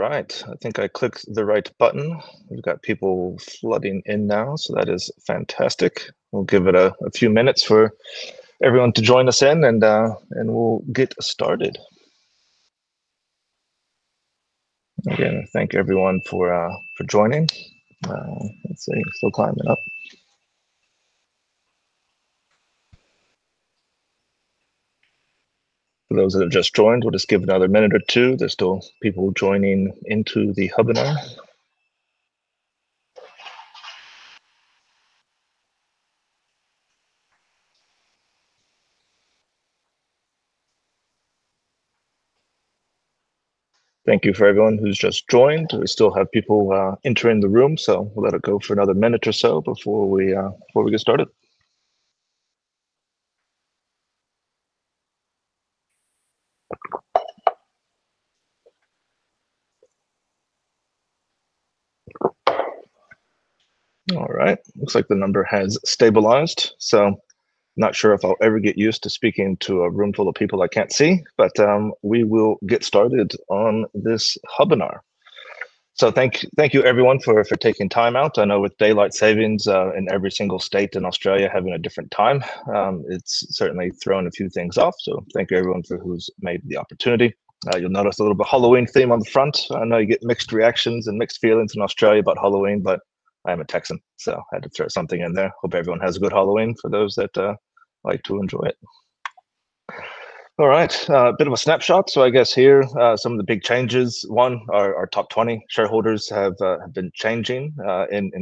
All right, I think I clicked the right button. We've got people flooding in now, so that is fantastic. We'll give it a few minutes for everyone to join us in. We'll get started again. Thank everyone for joining. Let's see, still climbing for those that have just joined. We'll just give another minute or two. There's still people joining into the Hubinar. Thank you for everyone who's just joined. We still have people entering the room, so we'll let it go for another minute or so before we get started. All right, looks like the number has stabilized. Not sure if I'll ever get used to speaking to a room full of people I can't see, but we will get started on this Hubinar, so thank you. Thank you, everyone, for taking time out. I know with daylight savings in every single state in Australia having a different time, it's certainly thrown a few things off. Thank you, everyone, who's made the opportunity. You'll notice a little bit of a Halloween theme on the front. I know you get mixed reactions and mixed feelings in Australia about Halloween, but I am a Texan, so I had to throw something in there. Hope everyone has a good Halloween for those that like to enjoy it. All right, a bit of a snapshot. I guess here are some of the big changes. One, our top 20 shareholders have been changing in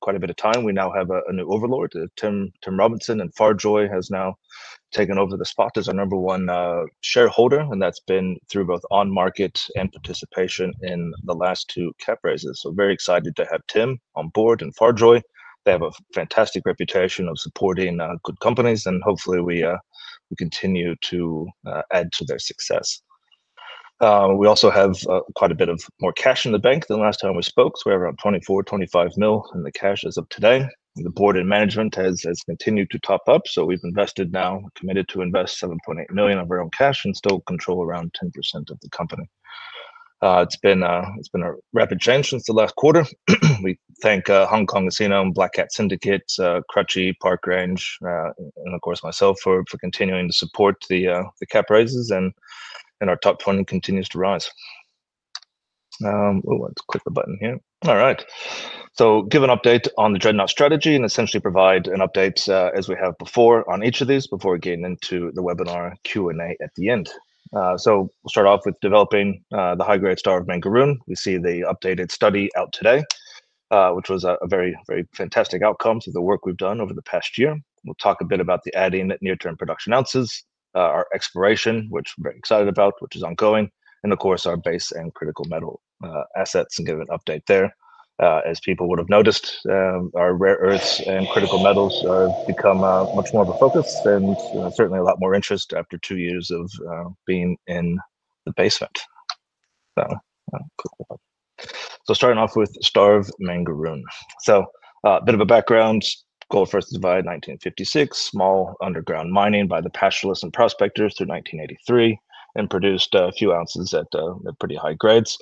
quite a bit of time. We now have a new overlord, Tim Robinson, and Farjoy has now taken over the spot as our number one shareholder, and that's been through both on market and participation in the last two cap raises. Very excited to have Tim on board and Farjoy. They have a fantastic reputation of supporting good companies, and hopefully we continue to add to their success. We also have quite a bit more cash in the bank than last time we spoke. We have around 24 million, 25 million in cash as of today. The board and management has continued to top up, so we've invested, now committed to invest 7.8 million of our own cash and still control around 10% of the company. It's been a rapid change since the last quarter. We thank Hong Kong Casino and Black Cat Syndicate, Crutchy Park Range, and of course myself for continuing to support the cap raises. Our top 20 continues to rise. Let's click the button here. All right, so I'll give an update on the Dreadnought strategy and essentially provide an update as we have before on each of these before getting into the webinar Q&A at the end. We'll start off with developing the high grade Star of Mangaroon. We see the updated study out today, which was a very, very fantastic outcome through the work we've done over the past year. We'll talk a bit about the adding near term production ounces, our exploration, which we're very excited about, which is ongoing, and of course our base and critical metal assets and give an update there. As people would have noticed, our rare earths and critical metals become much more of a focus and certainly a lot more interest after two years of being in the basement. Starting off with Star of Mangaroon. A bit of a background. Gold first discovered 1956. Small underground mining by the pastoralists and prospectors through 1983 and produced a few ounces at pretty high grades.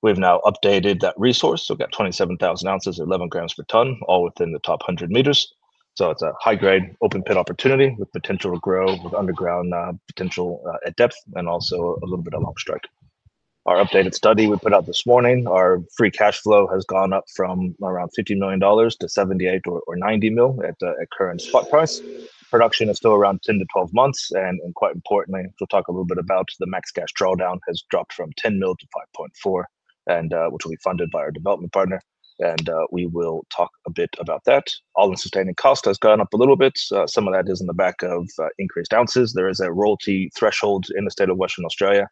We've now updated that resource. We've got 27,000 ounces, 11 grams per tonne, all within the top 100 meters. It's a high grade open pit opportunity with potential to grow with underground potential at depth and also a little bit along strike. Our updated study we put out this morning, our free cash flow has gone up from around 50 million dollars - 78 million or 90 million at current spot price. Production is still around 10 to 12 months. Quite importantly, we'll talk a little bit about the max cash drawdown has dropped from 10 million - 5.4 million, which will be funded by our development partner, and we will talk a bit about that. All-in sustaining cost has gone up a little bit. Some of that is on the back of increased ounces. There is a royalty threshold in the state of Western Australia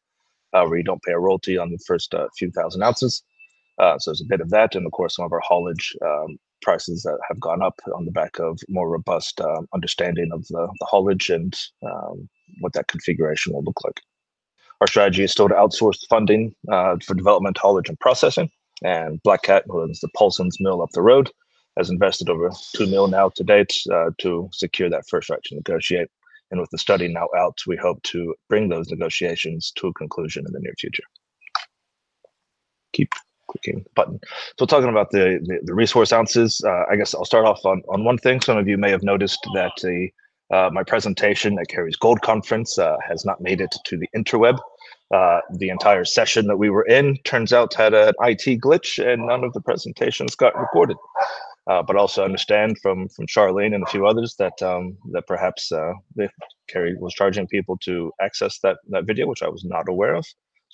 where you don't pay a royalty on the first few thousand ounces, so there's a bit of that. Some of our haulage prices have gone up on the back of more robust understanding of the haulage and what that configuration will look like. Our strategy is still to outsource funding for development, haulage, and processing. Black Cat, who owns the Paulsens Mill up the road, has invested over 2 million now to date to secure that first right to negotiate. With the study now out, we hope to bring those negotiations to a conclusion in the near future. Talking about the resource ounces, I guess I'll start off on one thing. Some of you may have noticed that my presentation at Kerry's Gold Conference has not made it to the Interweb. The entire session that we were in turns out had an IT glitch and none of the presentations got recorded. I also understand from Charlene and a few others that perhaps Kerry was charging people to access that video, which I was not aware of.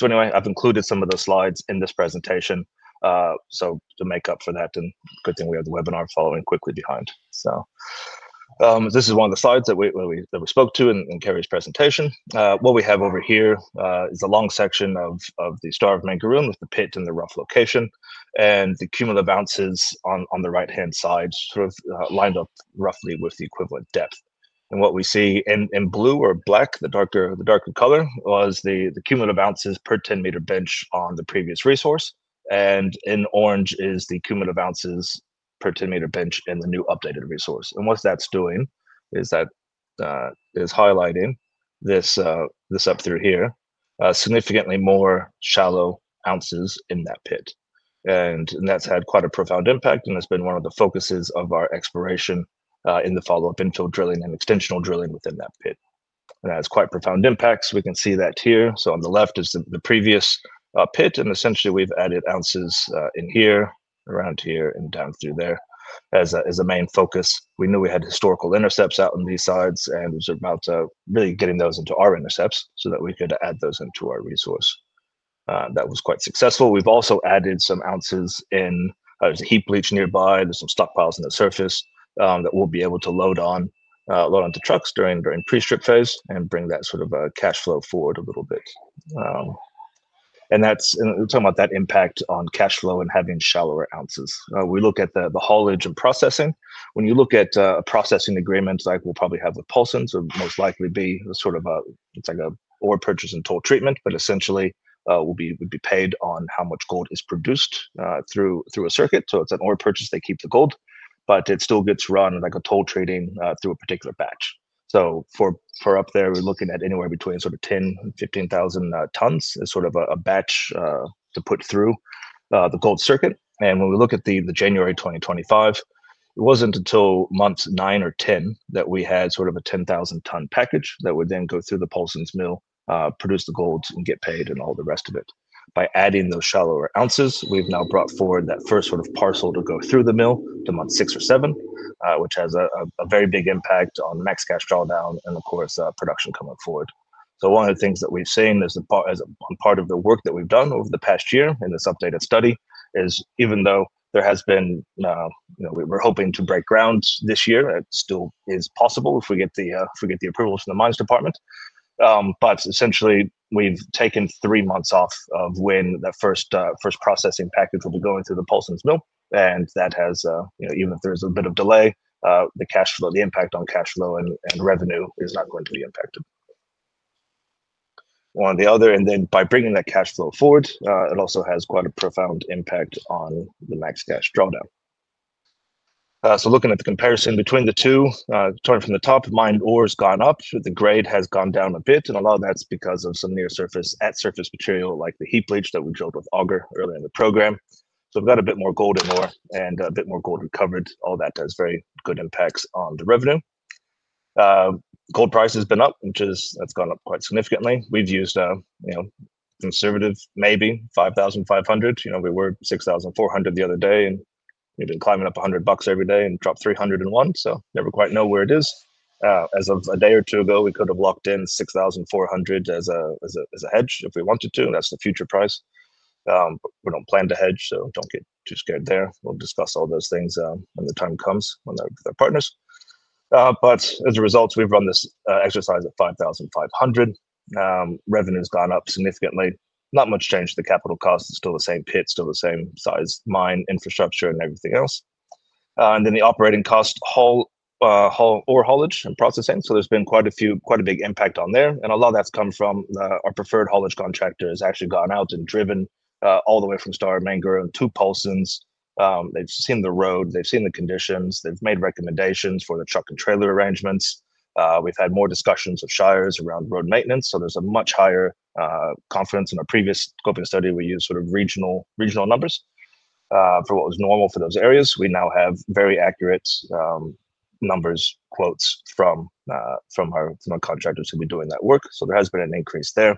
I've included some of the slides in this presentation to make up for that. A good thing is we have the webinar following quickly behind. This is one of the slides that we spoke to in Kerry's presentation. What we have over here is a long section of the Star of Mangaroon with the pit in the rough location and the cumulative ounces on the right-hand side, sort of lined up roughly with the equivalent depth. What we see in blue or black, the darker color, was the cumulative ounces per 10 meter bench on the previous resource. In orange is the cumulative ounces per 10 meter bench in the new updated resource. That is highlighting this up through here, significantly more shallow ounces in that pit. That has had quite a profound impact and has been one of the focuses of our exploration in the follow-up infill drilling and extensional drilling within that pit. That has quite profound impacts. We can see that here. On the left is the previous pit, and essentially we've added ounces in here, around here, and down through there as a main focus. We knew we had historical intercepts out on these sides and set about really getting those into our intercepts so that we could add those into our resource. That was quite successful. We've also added some ounces in heap leach nearby. There are some stockpiles on the surface that we'll be able to load onto trucks during pre-strip phase and bring that sort of cash flow forward a little bit. That is talking about that impact on cash flow and having shallower ounces. We look at the haulage and processing. When you look at a processing agreement like we'll probably have with Paulsens, it will most likely be sort of an ore purchase and toll treatment, but essentially we would be paid on how much gold is produced through a circuit. It's an ore purchase, they keep the gold, but it still gets run like a toll trading through a particular batch. For up there, we're looking at anywhere between 10,000 tons and 15,000 tons as sort of a batch to put through the gold circuit. When we look at January 2025, it wasn't until months nine or 10 that we had sort of a 10,000 ton package that would then go through the Paulsens Mill, produce the gold, and get paid and all the rest of it. By adding those shallower ounces, we've now brought forward that first sort of parcel to go through the mill to month six or seven, which has a very big impact on max cash drawdown and, of course, production coming forward. One of the things that we've seen as part of the work that we've done over the past year in this updated study is even though there has been, we're hoping to break ground this year, it still is possible if we get the approval from the mines department. Essentially, we've taken three months off of when that first processing package will be going through the Paulsens Mill. Even if there is a bit of delay, the cash flow, the impact on cash flow and revenue is not going to be impacted on the other. By bringing that cash flow forward, it also has quite a profound impact on the max cash drawdown. Looking at the comparison between the two, starting from the top, mined ore has gone up, the grade has gone down a bit, and a lot of that's because of some near surface, at surface material, like the heap leach that we drilled with auger earlier in the program. We've got a bit more gold in ore and a bit more gold recovered. All that does very good impacts on the revenue. Gold price has been up, which is that's gone up quite significantly. We've used conservative, maybe 5,500. We were 6,400 the other day, and we've been climbing up 100 bucks every day and dropped 301. Never quite know where it is. As of a day or two ago, we could have locked in 6,400 as a hedge if we wanted to, and that's the future price. We don't plan to hedge, so don't get too scared there. We'll discuss all those things when the time comes, when they're partners. As a result, we've run this exercise at 5,500. Revenue's gone up significantly. Not much change to the capital cost. Still the same pit, still the same size, mine infrastructure and everything else. The operating cost or haulage and processing, there's been quite a few, quite a big impact on there. A lot of that's come from our preferred haulage contractor has actually gone out and driven all the way from Star of Mangaroon to Paulsens. They've seen the road, they've seen the conditions, they've made recommendations for the truck and trailer arrangements. We've had more discussions with shires around road maintenance, so there's a much higher confidence. In a previous scoping study, we used sort of regional numbers for what was normal for those areas. We now have very accurate numbers, quotes from our contractors who've been doing that work. There has been an increase there,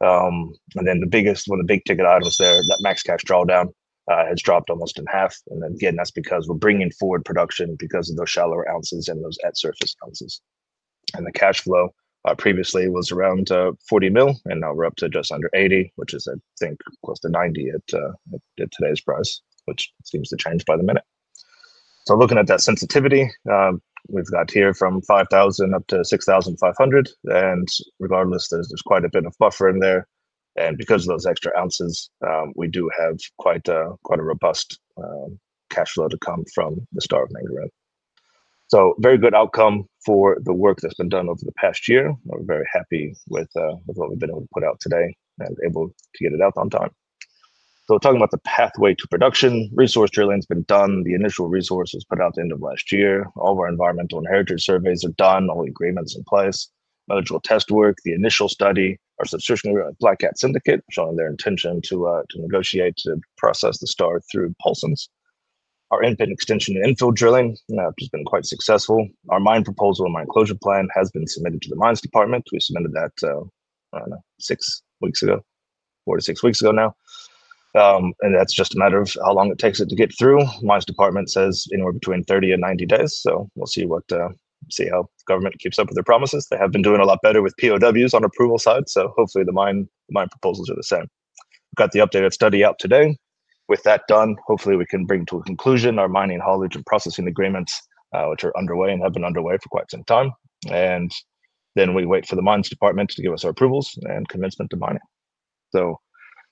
and then the biggest one, the big ticket items there, that max cash drawdown has dropped almost in half. That's because we're bringing forward production because of those shallower ounces and those at surface ounces. The cash flow previously was around 40 million, and now we're up to just under 80 million, which is, I think, close to 90 million at today's price, which seems to change by the minute. Looking at that sensitivity, we've got here from 5,000 up to 6,500, and regardless, there's quite a bit of buffer in there. Because of those extra ounces, we do have quite a robust cash flow to come from the Star of Mangaroon. Very good outcome for the work that's been done over the past year. We're very happy with what we've been able to put out today and able to get it out on time. Talking about the pathway to production, resource drilling has been done. The initial resource was put out at the end of last year. All of our environmental and heritage surveys are done, all the agreements in place. Metallurgical test work, the initial study, our association with Black Cat Syndicate showing their intention to negotiate to process the Star through Paulsens. Our infill, extensional, and infill drilling has been quite successful. Our mine proposal and mine closure plan has been submitted to the Mines Department. We submitted that six weeks ago, four to six weeks ago now, and that's just a matter of how long it takes to get through. Mines Department says anywhere between 30 and 90 days. We'll see how government keeps up with their promises. They have been doing a lot better with POWs on the approval side. Hopefully the mine proposals are the same. Got the updated study out today. With that done, hopefully we can bring to a conclusion our mining, haulage, and processing agreements, which are underway and have been underway for quite some time. Then we wait for the Mines Department to give us our approvals and commencement to mining.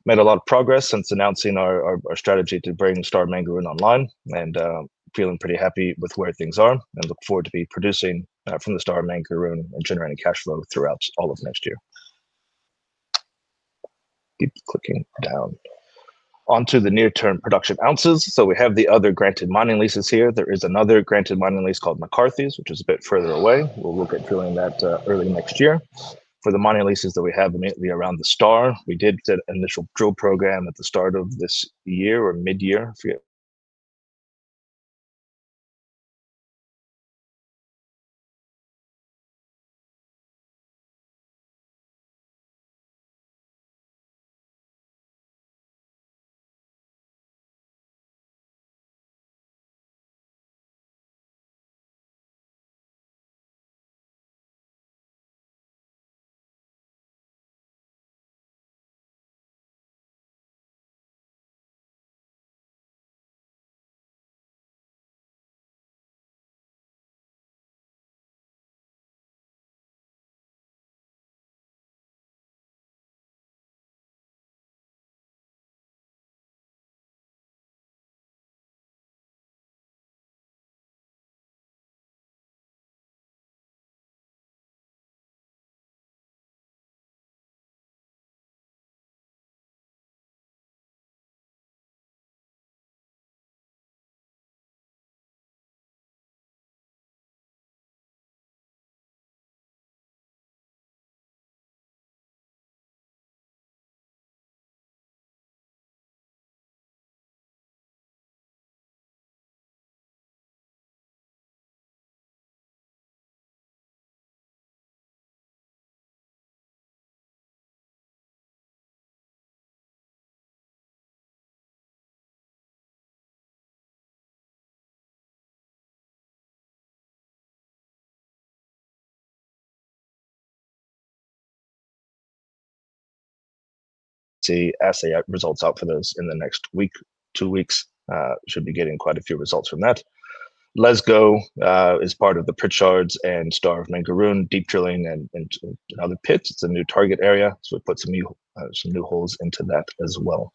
Made a lot of progress since announcing our strategy to bring Star of Mangaroon online and feeling pretty happy with where things are. I look forward to producing from the Star of Mangaroon and generating cash flow throughout all of next year. Keep clicking down onto the near-term production ounces. We have the other granted mining leases here. There is another granted mining lease called McCarthy's, which is a bit further away. We'll look at drilling that early next year. For the mining leases that we have immediately around the Star, we did the initial drill program at the start of this year or mid-year. See assay results out for those in the next week, two weeks. Should be getting quite a few results from that. Lesgo is part of the Pritchards and Star of Mangaroon deep drilling and other pits. It's a new target area, so we put some new holes into that as well.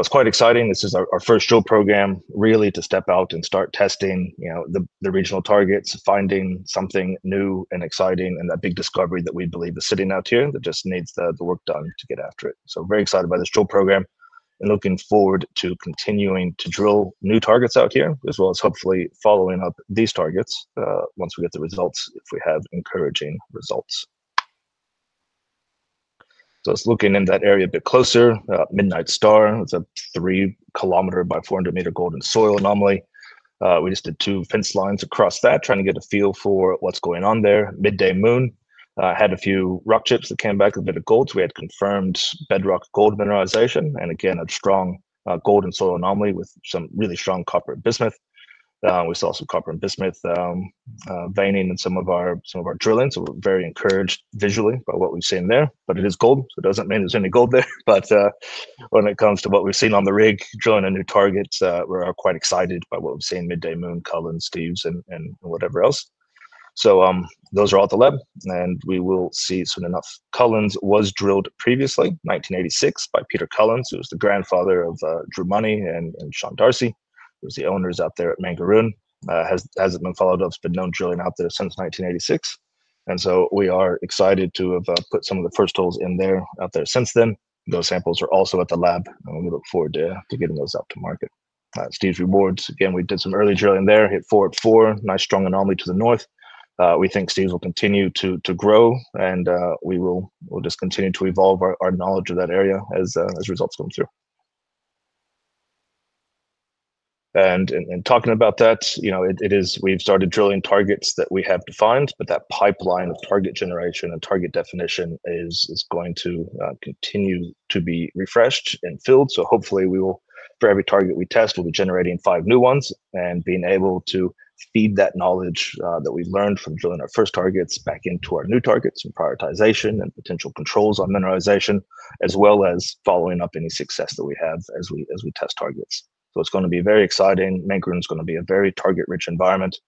It's quite exciting. This is our first drill program really to step out and start testing the regional targets, finding something new and exciting and that big discovery that we believe is sitting out here that just needs the work done to get after it. Very excited by this drill program and looking forward to continuing to drill new targets out here as well as hopefully following up these targets once we get the results, if we have encouraging results. Looking in that area a bit closer, Midnight Star is a 3 km by 400 meter gold-in-soil anomaly. We just did two fence lines across that, trying to get a feel for what's going on there. Midday Moon had a few rock chips that came back a bit of gold, so we had confirmed bedrock gold mineralization and again a strong gold-in-soil anomaly with some really strong copper, bismuth. We saw some copper and bismuth veining in some of our drilling. We're very encouraged visually by what we've seen there, but it is gold so it doesn't mean there's any gold there. When it comes to what we've seen on the rig drilling a new target, we're quite excited by what we've seen. Midday Moon, Cullens, Steves, and whatever else, those are all at the lab and we will see soon enough. Cullens was drilled previously in 1986 by Peter Cullens, who was the grandfather of Drew Money, and Sean D'Arcy was the owner out there at Mangaroon. Hasn't been followed up. Has been no drilling out there since 1986, and we are excited to have put some of the first holes in there out there. Since then those samples are also at the lab, and we look forward to getting those out to market. Steve's rewards again. We did some early drilling there, hit 4 at 4. Nice strong anomaly to the north. We think Steve's will continue to grow, and we will just continue to evolve our knowledge of that area as results come through. Talking about that, we've started drilling targets that we have defined. That pipeline of target generation and target definition is going to continue to be refreshed and filled. Hopefully, for every target we test, we'll be generating five new ones and being able to feed that knowledge that we've learned from drilling our first targets back into our new targets and prioritization and potential controls on mineralization, as well as following up any success that we have as we test targets. It's going to be very exciting. Mangaroon is going to be a very target-rich environment,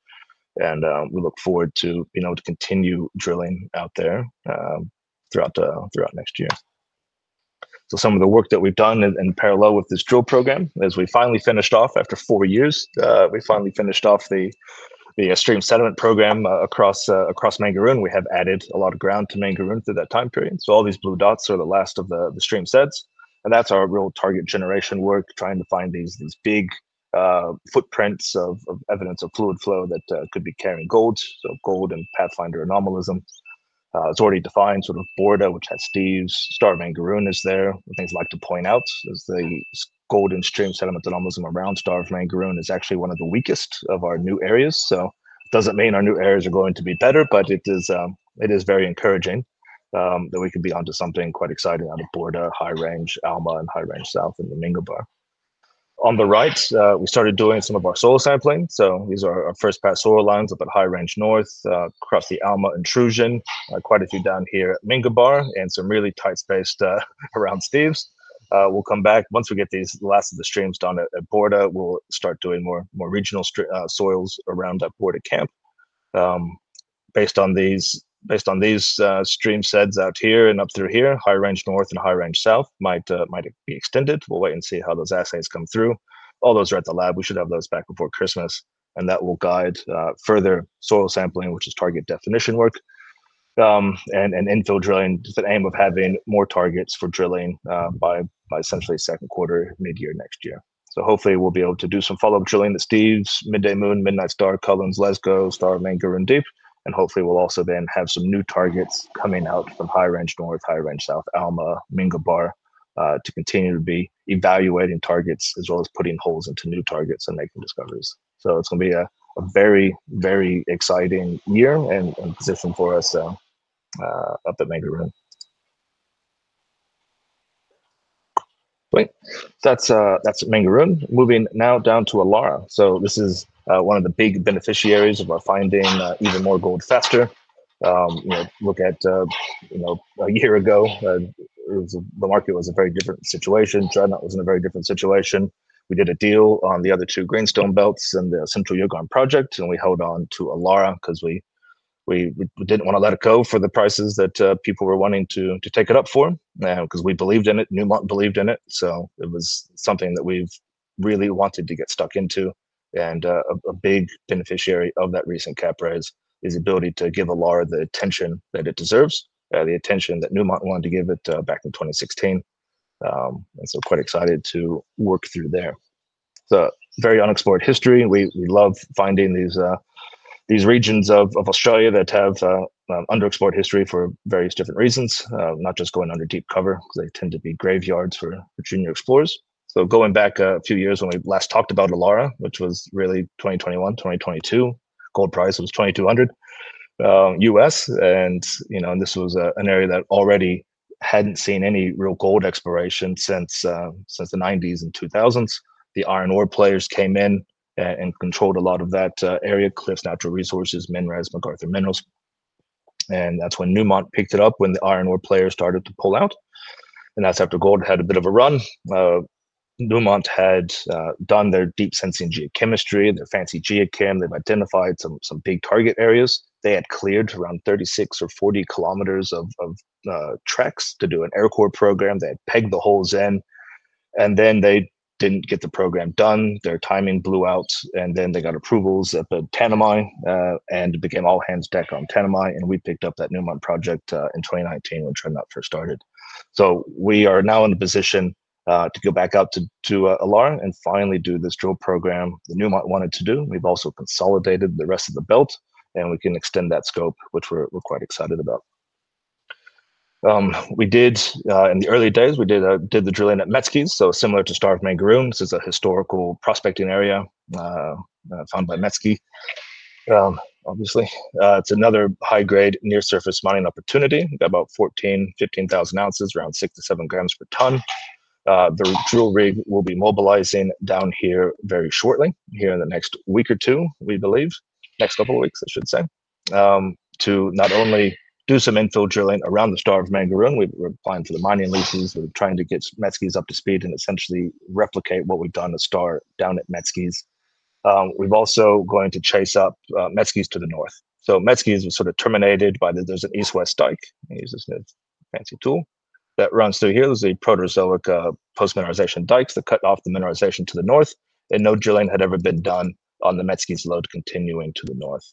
and we look forward to being able to continue drilling out there throughout next year. Some of the work that we've done in parallel with this drill program, as we finally finished off after four years, we finally finished off the stream sediment program across Mangaroon. We have added a lot of ground to Mangaroon through that time period. All these blue dots are the last of the stream seds, and that's our real target generation work, trying to find these big footprints of evidence of fluid flow that could be carrying gold. Gold and pathfinder anomalies, it's already defined sort of Bordah, which has Steve's, Starving is there. Things I like to point out is the golden stream sediment anomalous and around Star of Mangaroon is actually one of the weakest of our new areas. Doesn't mean our new areas are going to be better, but it is very encouraging that we could be onto something quite exciting on the Bordah. High Range Alma and High Range South in the Minga Bar on the right, we started doing some of our soil sampling. These are our first pass soil lines up at High Range North across the Alma intrusion. Quite a few down here at Minga Bar and some really tight spaced around Steve's. We'll come back once we get these last of the streams done at Bordah, we'll start doing more regional soils around that Bordah camp based on these stream seds out here and up through here. High Range North and High Range South might be extended. We'll wait and see how those assays come through. All those are at the lab. We should have those back before Christmas, and that will guide further soil sampling, which is target definition work and infill drilling. The aim is having more targets for drilling by essentially second quarter, mid-year next year. Hopefully, we'll be able to do some follow-up drilling. The Steve's, Midday Moon, Midnight Star, Cullens, Lesgo, Star Lake, Guru, and Deep, and hopefully we'll also then have some new targets coming out from High Range North, High Range South, Alma, Minga Bar to continue to be evaluating targets as well as putting holes into new targets and making discoveries. It's going to be a very, very exciting year and position for us up at Mangaroon. That's Mangaroon. Moving now down to Illaara, this is one of the big beneficiaries of our finding even more gold faster. You know, look at, a year ago, the market was a very different situation. Dreadnought Resources was in a very different situation. We did a deal on the other two Greenstone Belts and the Central Yugan project, and we held on to Illaara because we didn't want to let it go for the prices that people were wanting to take it up for now because we believed in it, Newmont believed in it. It was something that we've really wanted to get stuck into. A big beneficiary of that recent cap raise is the ability to give Illaara the attention that it deserves, the attention that Newmont wanted to give it back in 2016. Quite excited to work through there. Very unexplored history. We love finding these regions of Australia that have underexplored history for various different reasons, not just going under deep cover because they tend to be graveyards for junior explorers. Going back a few years, when we last talked about Illaara, which was really 2021, 2022, gold price was $2,200 U.S., and this was an area that already hadn't seen any real gold exploration since the 1990s and 2000s. The iron ore players came in and controlled a lot of that area: Cliffs Natural Resources, MinRes, Macarthur Minerals. That's when Newmont picked it up, when the iron ore players started to pull out. That's after gold had a bit of a run. Newmont had done their deep sensing geochemistry, their fancy geochem. They've identified some big target areas. They had cleared around 36 km or 40 km of tracks to do an aircore program that pegged the holes in, and then they didn't get the program done. Their timing blew out. They got approvals at the Tanami and became all hands on deck on Tanami. We picked up that Newmont project in 2019 when trending out first started. We are now in the position to go back out to Illaara and finally do this drill program that Newmont wanted to do. We've also consolidated the rest of the belt and we can extend that scope, which we're quite excited about. In the early days, we did the drilling at Metzke’s. Similar to Star of Mangaroon, this is a historical prospecting area found by Metzke. Obviously, it's another high grade near surface mining opportunity. About 14,000 ounces - 15,000 ounces, around 6 grams - 7 grams per ton. The drill rig will be mobilizing down here very shortly, here in the next week or two, we believe. Next couple of weeks, I should say, to not only do some infill drilling around the Star of Mangaroon, we're applying for the mining leases. We're trying to get Metzke’s up to speed and essentially replicate what we've done to Star down at Metzke’s. We're also going to chase up Metzke’s to the north. Metzke’s was sort of terminated by an east-west dike, he uses a fancy tool that runs through here. There are Proterozoic post-mineralization dikes that cut off the mineralization to the north, and no drilling had ever been done on the Metzke’s lode continuing to the north.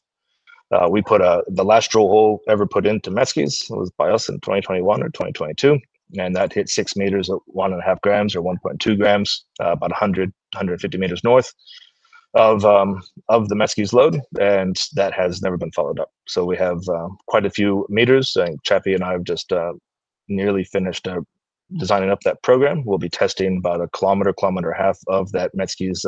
The last drill hole ever put into Metzke’s was by us in 2021 or 2022, and that hit 6 meters at 1.5 grams or 1.2 grams about 100 - 150 meters north of the Metzke’s lode, and that has never been followed up. We have quite a few meters. Chappie and I have just nearly finished designing up that program. We'll be testing about a kilometer, kilometer and a half of that Metzke’s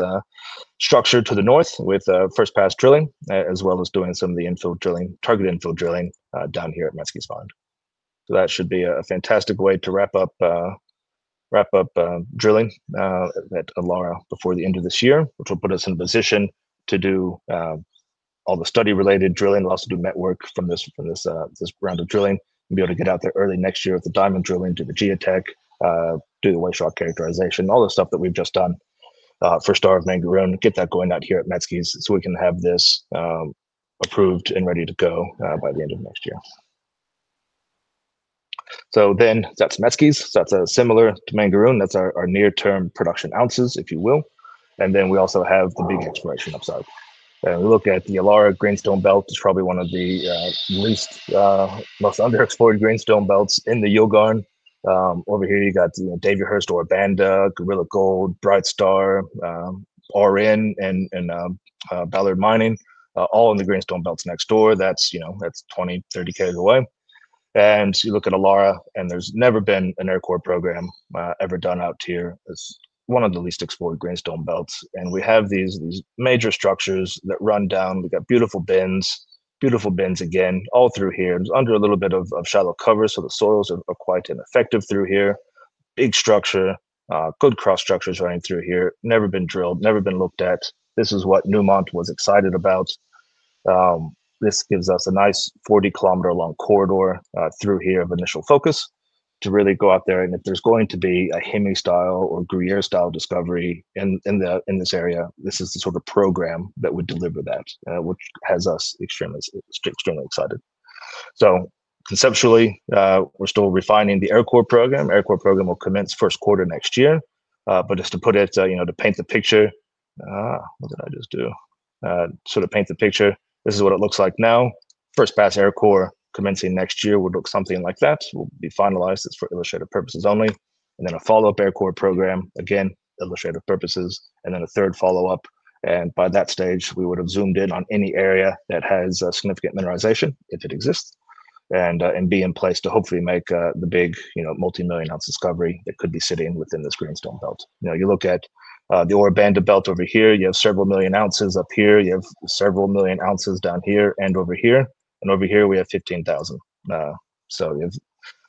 structure to the north with first pass drilling, as well as doing some of the infill drilling, target infill drilling down here at Metzke’s pond. That should be a fantastic way to wrap up drilling at Illaara before the end of this year, which will put us in position to do all the study related drilling. We'll also do metallurgical test work from this round of drilling, be able to get out there early next year with the diamond drilling to do the geotech, do the wide shot characterization, all the stuff that we've just done for Star of Mangaroon. Get that going out here at Metzke’s so we can have this approved and ready to go by the end of next year. That's Metzke’s. That's similar to Mangaroon. That's our near term production ounces, if you will. We also have the big exploration upside, and we look at the Illaara Greenstone Belt as probably one of the most underexplored Greenstone Belts in the Yilgarn. Over here you have Davyhurst, Ora Banda, Gorilla Gold, Brightstar, RN, and Ballard Mining all in the Greenstone Belts next door. That's 20, 30 km away. You look at Illaara and there's never been an aircore program ever done out here. It's one of the least explored Greenstone Belts. We have these major structures that run down. We've got beautiful bends, beautiful bins again all through here under a little bit of shallow cover, so the soils are quite ineffective through here. Big structure, good cross structures running through here. Never been drilled, never been looked at. This is what Newmont was excited about. This gives us a nice 40 km long corridor through here of initial focus to really go out there. If there's going to be a Hemi-style or Gruyere-style discovery in this area, this is the sort of program that would deliver that, which has us extremely, extremely excited. Conceptually, we're still refining the aircore program. Aircore program will commence first quarter next year. Just to paint the picture, this is what it looks like now. First pass aircore commencing next year would look something like that, will be finalized. It's for illustrative purposes only. Then a follow-up aircore program, again illustrative purposes, and then a third follow-up. By that stage, we would have zoomed in on any area that has significant mineralization if it exists and be in place to hopefully make the big multimillion ounce discovery that could be sitting within this Greenstone Belt. You look at the Ora Banda belt, over here you have several million ounces up here, you have several million ounces down here and over here, and over here we have 15,000.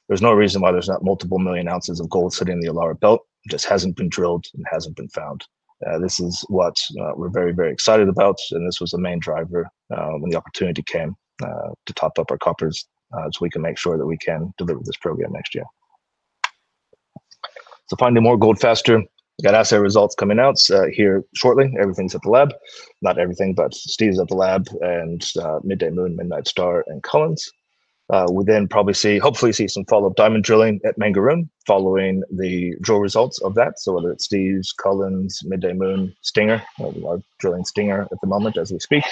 There's no reason why there's not multiple million ounces of gold sitting in the Illaara belt. Just hasn't been drilled and hasn't been found. This is what we're very, very excited about. This was the main driver when the opportunity came to top up our coffers so we can make sure that we can deliver this program next year. Finding more gold faster. We got assay results coming out here shortly. Everything's at the lab. Not everything, but Steve's at the lab, and Midday Moon, Midnight Star, and Cullens. We then probably see, hopefully see, some follow-up diamond drilling at Mangaroon following the drill results of that. Whether it's Steve's, Cullens, Midday Moon, Stinger, we are drilling Stinger at the moment as we speak.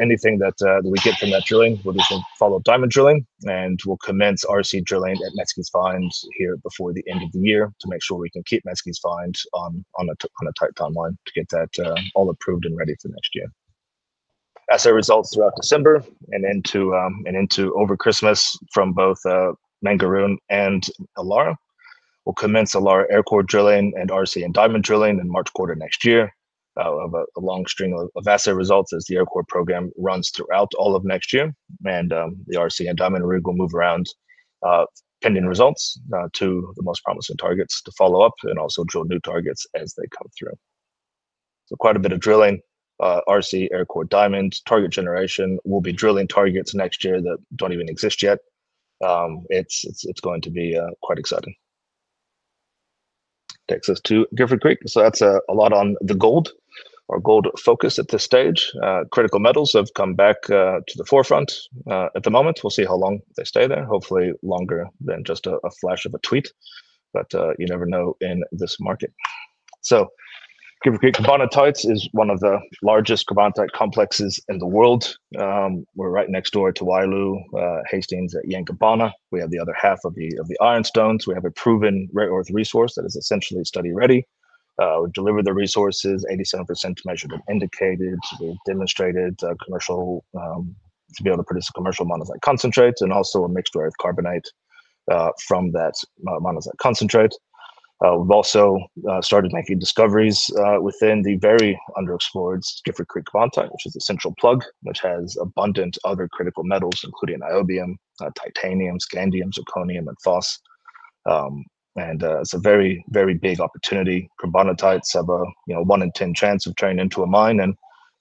Anything that we get from that drilling will follow diamond drilling, and we'll commence RC drilling at Metzke’s Find here before the end of the year to make sure we can keep Metzke’s Find on a tight timeline to get that all approved and ready for next year. That's our results throughout December and over Christmas from both Mangaroon and Illaara. We'll commence a lot of aircore drilling and RC and diamond drilling in March quarter next year, with a long string of assay results as the aircore programs run throughout all of next year. The RC and diamond rig will move around, pending results, to the most promising targets to follow up and also drill new targets as they come through. Quite a bit of drilling—RC, aircore, diamond, target generation. We'll be drilling targets next year that don't even exist yet. It's going to be quite exciting. That takes us to Gifford Creek. That's a lot on the gold or gold focus at this stage. Critical metals have come back to the forefront at the moment. We'll see how long they stay there, hopefully longer than just a flash of a tweet, but you never know in this market. It is one of the largest carbonatite complexes in the world. We're right next door to Wyloo Hastings at Yangibana. We have the other half of the ironstones. We have a proven rare earth resource that is essentially study ready. We delivered the resources, 87% measured and indicated. We demonstrated commercial ability to produce a commercial monazite concentrate and also a mixed rare earth carbonate from that monazite concentrate. We've also started making discoveries within the very underexplored Gifford Creek carbonatite, which is a central plug that has abundant other critical metals including niobium, titanium, scandium, zirconium, and phosphate. It's a very, very big opportunity. Carbonatites have a 1 in 10 chance of turning into a mine, and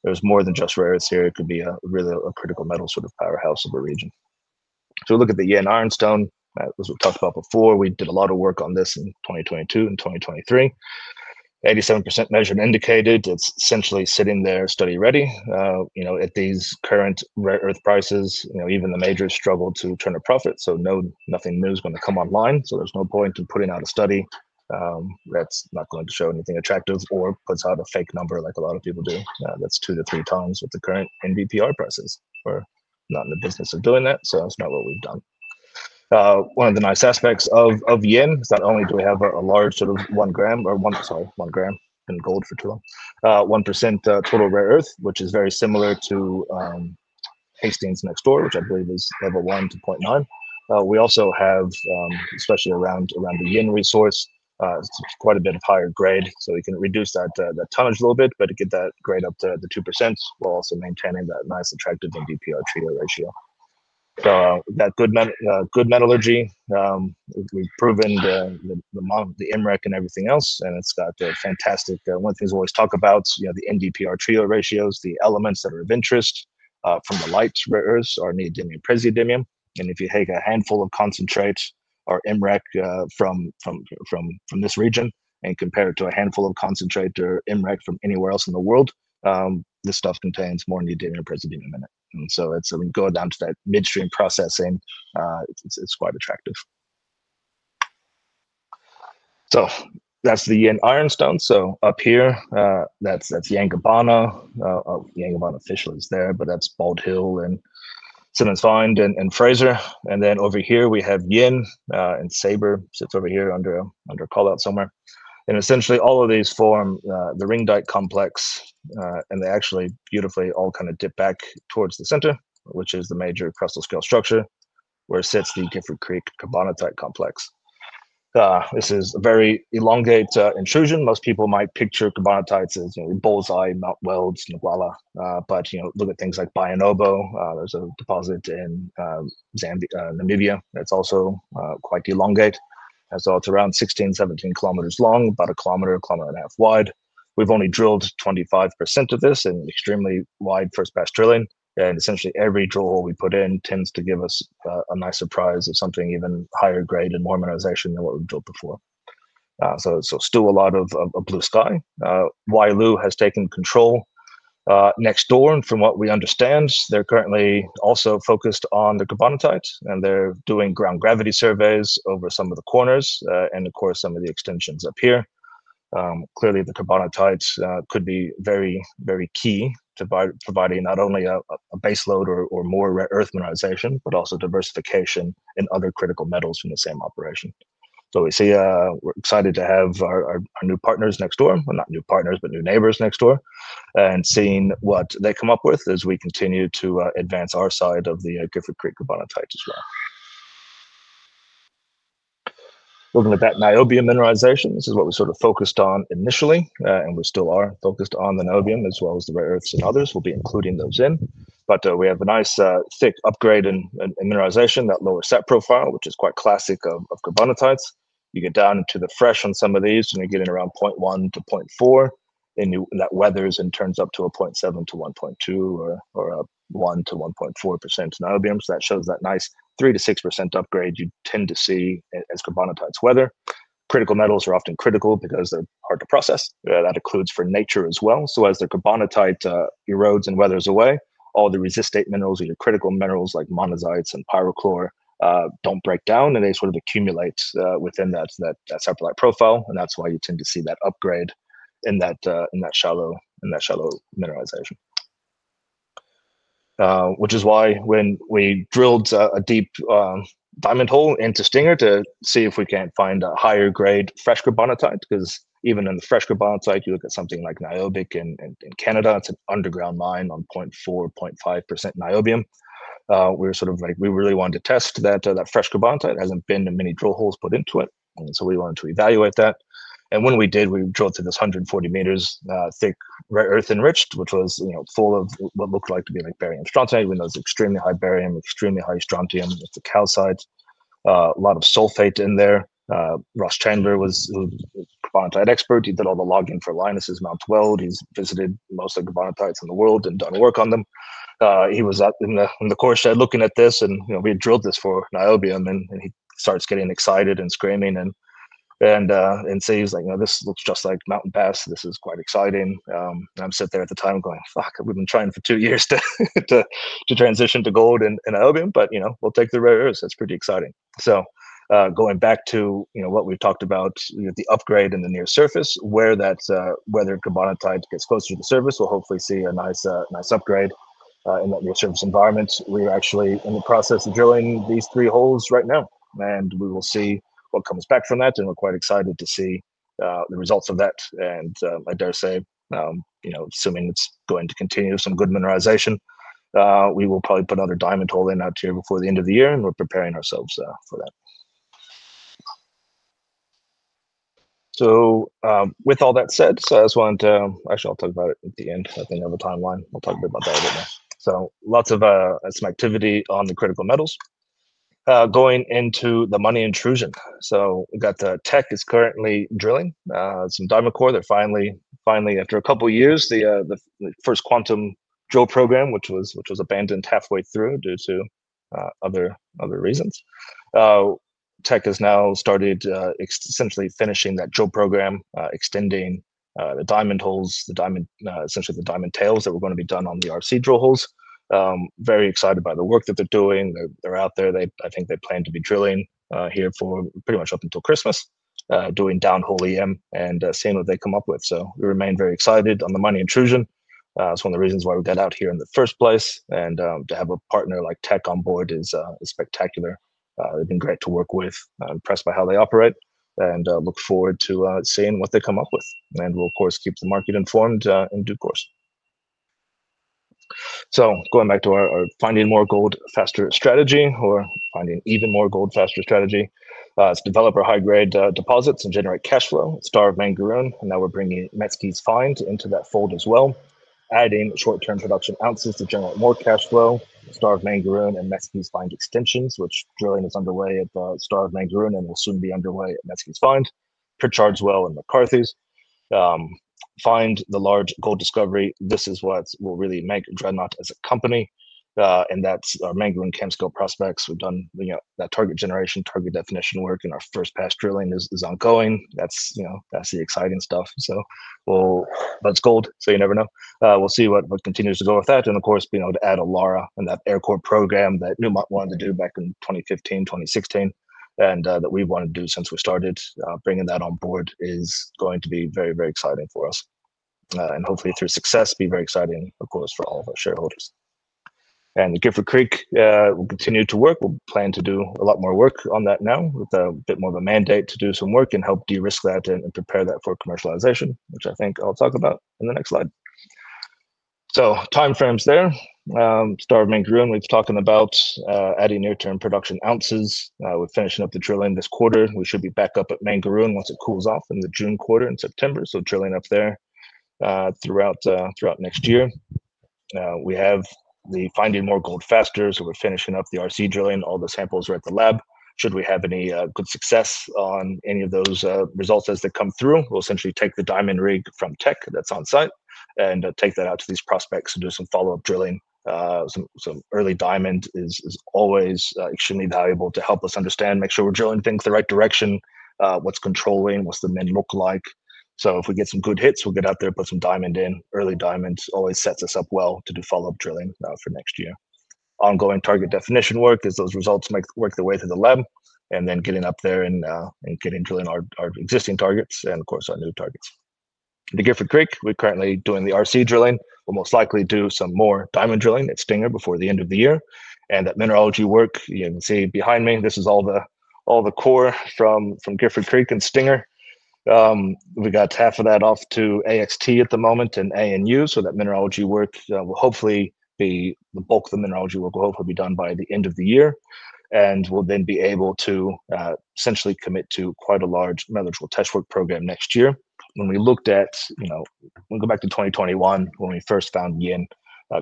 there's more than just rare earths here. It could be really a critical metal sort of powerhouse of a region. Looking at the Yin Ironstone, as we've talked about before, we did a lot of work on this in 2022 and 2023. 87% measured and indicated. It's essentially sitting there, study ready. At these current rare earth prices, even the majors struggle to turn a profit. No, nothing new is going to come online. There's no point in putting out a study that's not going to show anything attractive or puts out a fake number like a lot of people do, that's two to three times with the current NdPr prices. We're not in the business of doing that. That's not what we've done. One of the nice aspects of Yin is not only do we have a large sort of 1 gram, or 1, sorry, 1 gram and gold for too long, 1% total rare earth, which is very similar to Hastings next door, which I believe is level 1 to 0.9. We also have, especially around the Yin resource, quite a bit of higher grade. We can reduce that tonnage a little bit to get that grade up to the 2% while also maintaining that nice attractive NdPr TREO ratio. That good metallurgy, we've proven the MREC and everything else, and it's got fantastic, one of the things we always talk about, you know, the NdPr TREO ratios. The elements that are of interest from the light earth are neodymium, praseodymium. If you take a handful of concentrates or MREC from this region and compare it to a handful of concentrated MREC from anywhere else in the world, this stuff contains more neodymium, presenting a minute. It's going down to that midstream processing. It's quite attractive. That's the ironstone. Up here, that's Yangibana. Yangibana officially is there, but that's Bald Hill and Simmons Find and Fraser. Over here we have Yin, and Sabre sits over here under a call out somewhere. Essentially, all of these form the ring dike complex. They actually beautifully all kind of dip back towards the center, which is the major crustal scale structure where it sits, the Gifford Creek Carbonatite Complex. This is a very elongate intrusion. Most people might picture carbonatites as bullseye Mount Welds, Ngualla, but look at things like Bayan Obo. There's a deposit in Namibia that's also quite elongate, and so it's around 16, 17 km long, about a kilometer, kilometer and a half wide. We've only drilled 25% of this in extremely wide first pass drilling. Essentially, every drill hole we put in tends to give us a nice surprise of something even higher grade and mineralization than what we've drilled before. Still a lot of blue sky. Wyloo has taken control next door and from what we understand they're currently also focused on the carbonatite and they're doing ground gravity surveys over some of the corners and of course some of the extensions up here. Clearly, the carbonatites could be very, very key to providing not only a baseload or more earth mineralization, but also diversification and other critical metals from the same operation. We see, we're excited to have our new partners next door—not new partners, but new neighbors next door—and seeing what they come up with as we continue to advance our side of the Gifford Creek Carbonatite Complex as well. Looking at niobium mineralization, this is what we sort of focused on initially and we still are focused on the niobium as well as the rare earths and others. We'll be including those in. We have a nice thick upgrade in mineralization. That lower set profile, which is quite classic of carbonatites, you get down to the fresh on some of these and you're getting around 0.1 - 0.4 and that weathers and turns up to a 0.7 - 1.2 or a 1% - 1.4% niobium. That shows that nice 3% - 6% upgrade you tend to see as carbonatites weather. Critical metals are often critical because they're hard to process. That occludes for nature as well. As the carbonatite erodes and weathers away, all the resistant minerals or your critical minerals like monazites and pyrochlore don't break down and they sort of accumulate within that separate profile. That's why you tend to see that upgrade in that shallow mineralization, which is why when we drilled a deep diamond hole into Stinger to see if we can't find a higher grade fresh carbonatite. Even in the fresh carbonatite, you look at something like Niobec, and in Canada it's an underground mine on 0.4%, 0.5% niobium. We're sort of like we really wanted to test that fresh carbonatite—hasn't been many drill holes put into it. We wanted to evaluate that. When we did, we drilled through this 140 meters thick earth enriched, which was, you know, full of what looked like to be like barium strontium. We know it's extremely high barium, extremely high strontium with the calcite, a lot of sulfate in there. Ross Chandler was a carbonatite expert. He did all the logging for Lynas's Mount Weld. He's visited most of the carbonatites in the world and done work on them. He was in the core shed looking at this and we drilled this for niobium and he starts getting excited and screaming and sees like, you know, this looks just like Mountain Pass. This is quite exciting. I'm sitting there at the time going fuck. We've been trying for two years to transition to gold and niobium but you know, we'll take the rare earth. That's pretty exciting. Going back to what we've talked about, the upgrade in the near surface where that weathered carbonatite gets closer to the surface, we'll hopefully see a nice upgrade in that near surface environment. We're actually in the process of drilling these three holes right now and we will see what comes back from that and we're quite excited to see the results of that. I dare say, assuming it's going to continue some good mineralization, we will probably put another diamond hole in out here before the end of the year and we're preparing ourselves for that. With all that said, I just wanted to—actually, I'll talk about it at the end, I think, of a timeline. I'll talk a bit about that a bit more. Lots of activity on the critical metals going into the Money Intrusion. We've got Teck is currently drilling some diamond core that finally, finally after a couple of years, the first quantum drill program, which was abandoned halfway through due to other reasons, Teck has now started essentially finishing that drill program, extending the diamond holes, essentially the diamond tails that were going to be done on the RC drill holes. Very excited by the work that they're doing. They're out there. I think they plan to be drilling here for pretty much up until Christmas, doing downhole and seeing what they come up with. We remain very excited on the Money Intrusion. It's one of the reasons why we got out here in the first place. To have a partner like Teck on board is spectacular. They've been great to work with, impressed by how they operate and look forward to seeing what they come up with. We'll of course keep the market informed in due course too. Going back to our finding more gold faster strategy, or finding even more gold faster strategy, it's develop high grade deposits and generate cash flow. Star of Mangaroon and now we're bringing Metzke’s Find into that fold as well, adding short term production ounces to generate more cash flow. Star of Mangaroon and Metzke’s Find extensions, which drilling is underway at the Star of Mangaroon and will soon be underway at Metzke’s Find, Pritchard’s Well, and McCarthy’s Find. The large gold discovery, this is what will really make Dreadnought as a company, and that's our Mangaroon and Camp scale prospects. We've done that target generation, target definition work, and our first pass drilling is ongoing. That's the exciting stuff, but it's gold so you never know. We'll see what continues to go with that. Of course, being able to add Illaara and that aircore program that Newmont wanted to do back in 2015, 2016, and that we want to do since we started bringing that on board is going to be very, very exciting for us and hopefully through success be very exciting, of course, for all of our shareholders. Gifford Creek will continue to work. We'll plan to do a lot more work on that now with a bit more of a mandate to do some work and help de-risk that and prepare that for commercialization, which I think I'll talk about in the next slide. Timeframes there, Star of Mangaroon, we've been talking about adding near-term production ounces. We're finishing up the drilling this quarter. We should be back up at Mangaroon once it cools off in the June quarter, in September. Drilling up there throughout next year, we have the finding more gold faster. We're finishing up the RC drilling. All the samples are at the lab. Should we have any good success on any of those results as they come through, we'll essentially take the diamond rig from Teck that's on site and take that out to these prospects to do some follow-up drilling. Some early diamond is always extremely valuable to help us understand, make sure we're drilling things the right direction, what's controlling, what's the mineralization look like. If we get some good hits, we'll get out there, put some diamond in. Early diamond always sets us up well to do follow-up drilling for next year, ongoing target definition work as those results work their way through the lab, and then getting up there and getting drilling our existing targets and, of course, our new targets. The Gifford Creek, we're currently doing the RC drilling, will most likely do some more diamond drilling at Stinger before the end of the year. That mineralogy work, you can see behind me, this is all the core from Gifford Creek and Stinger. We got half of that off to AXT at the moment and Anu, so that mineralogy work will hopefully be, the bulk of the mineralogy work will be done by the end of the year. We'll then be able to essentially commit to quite a large metallurgical test work program next year. When we looked at, you know, we go back to 2021 when we first found Yin.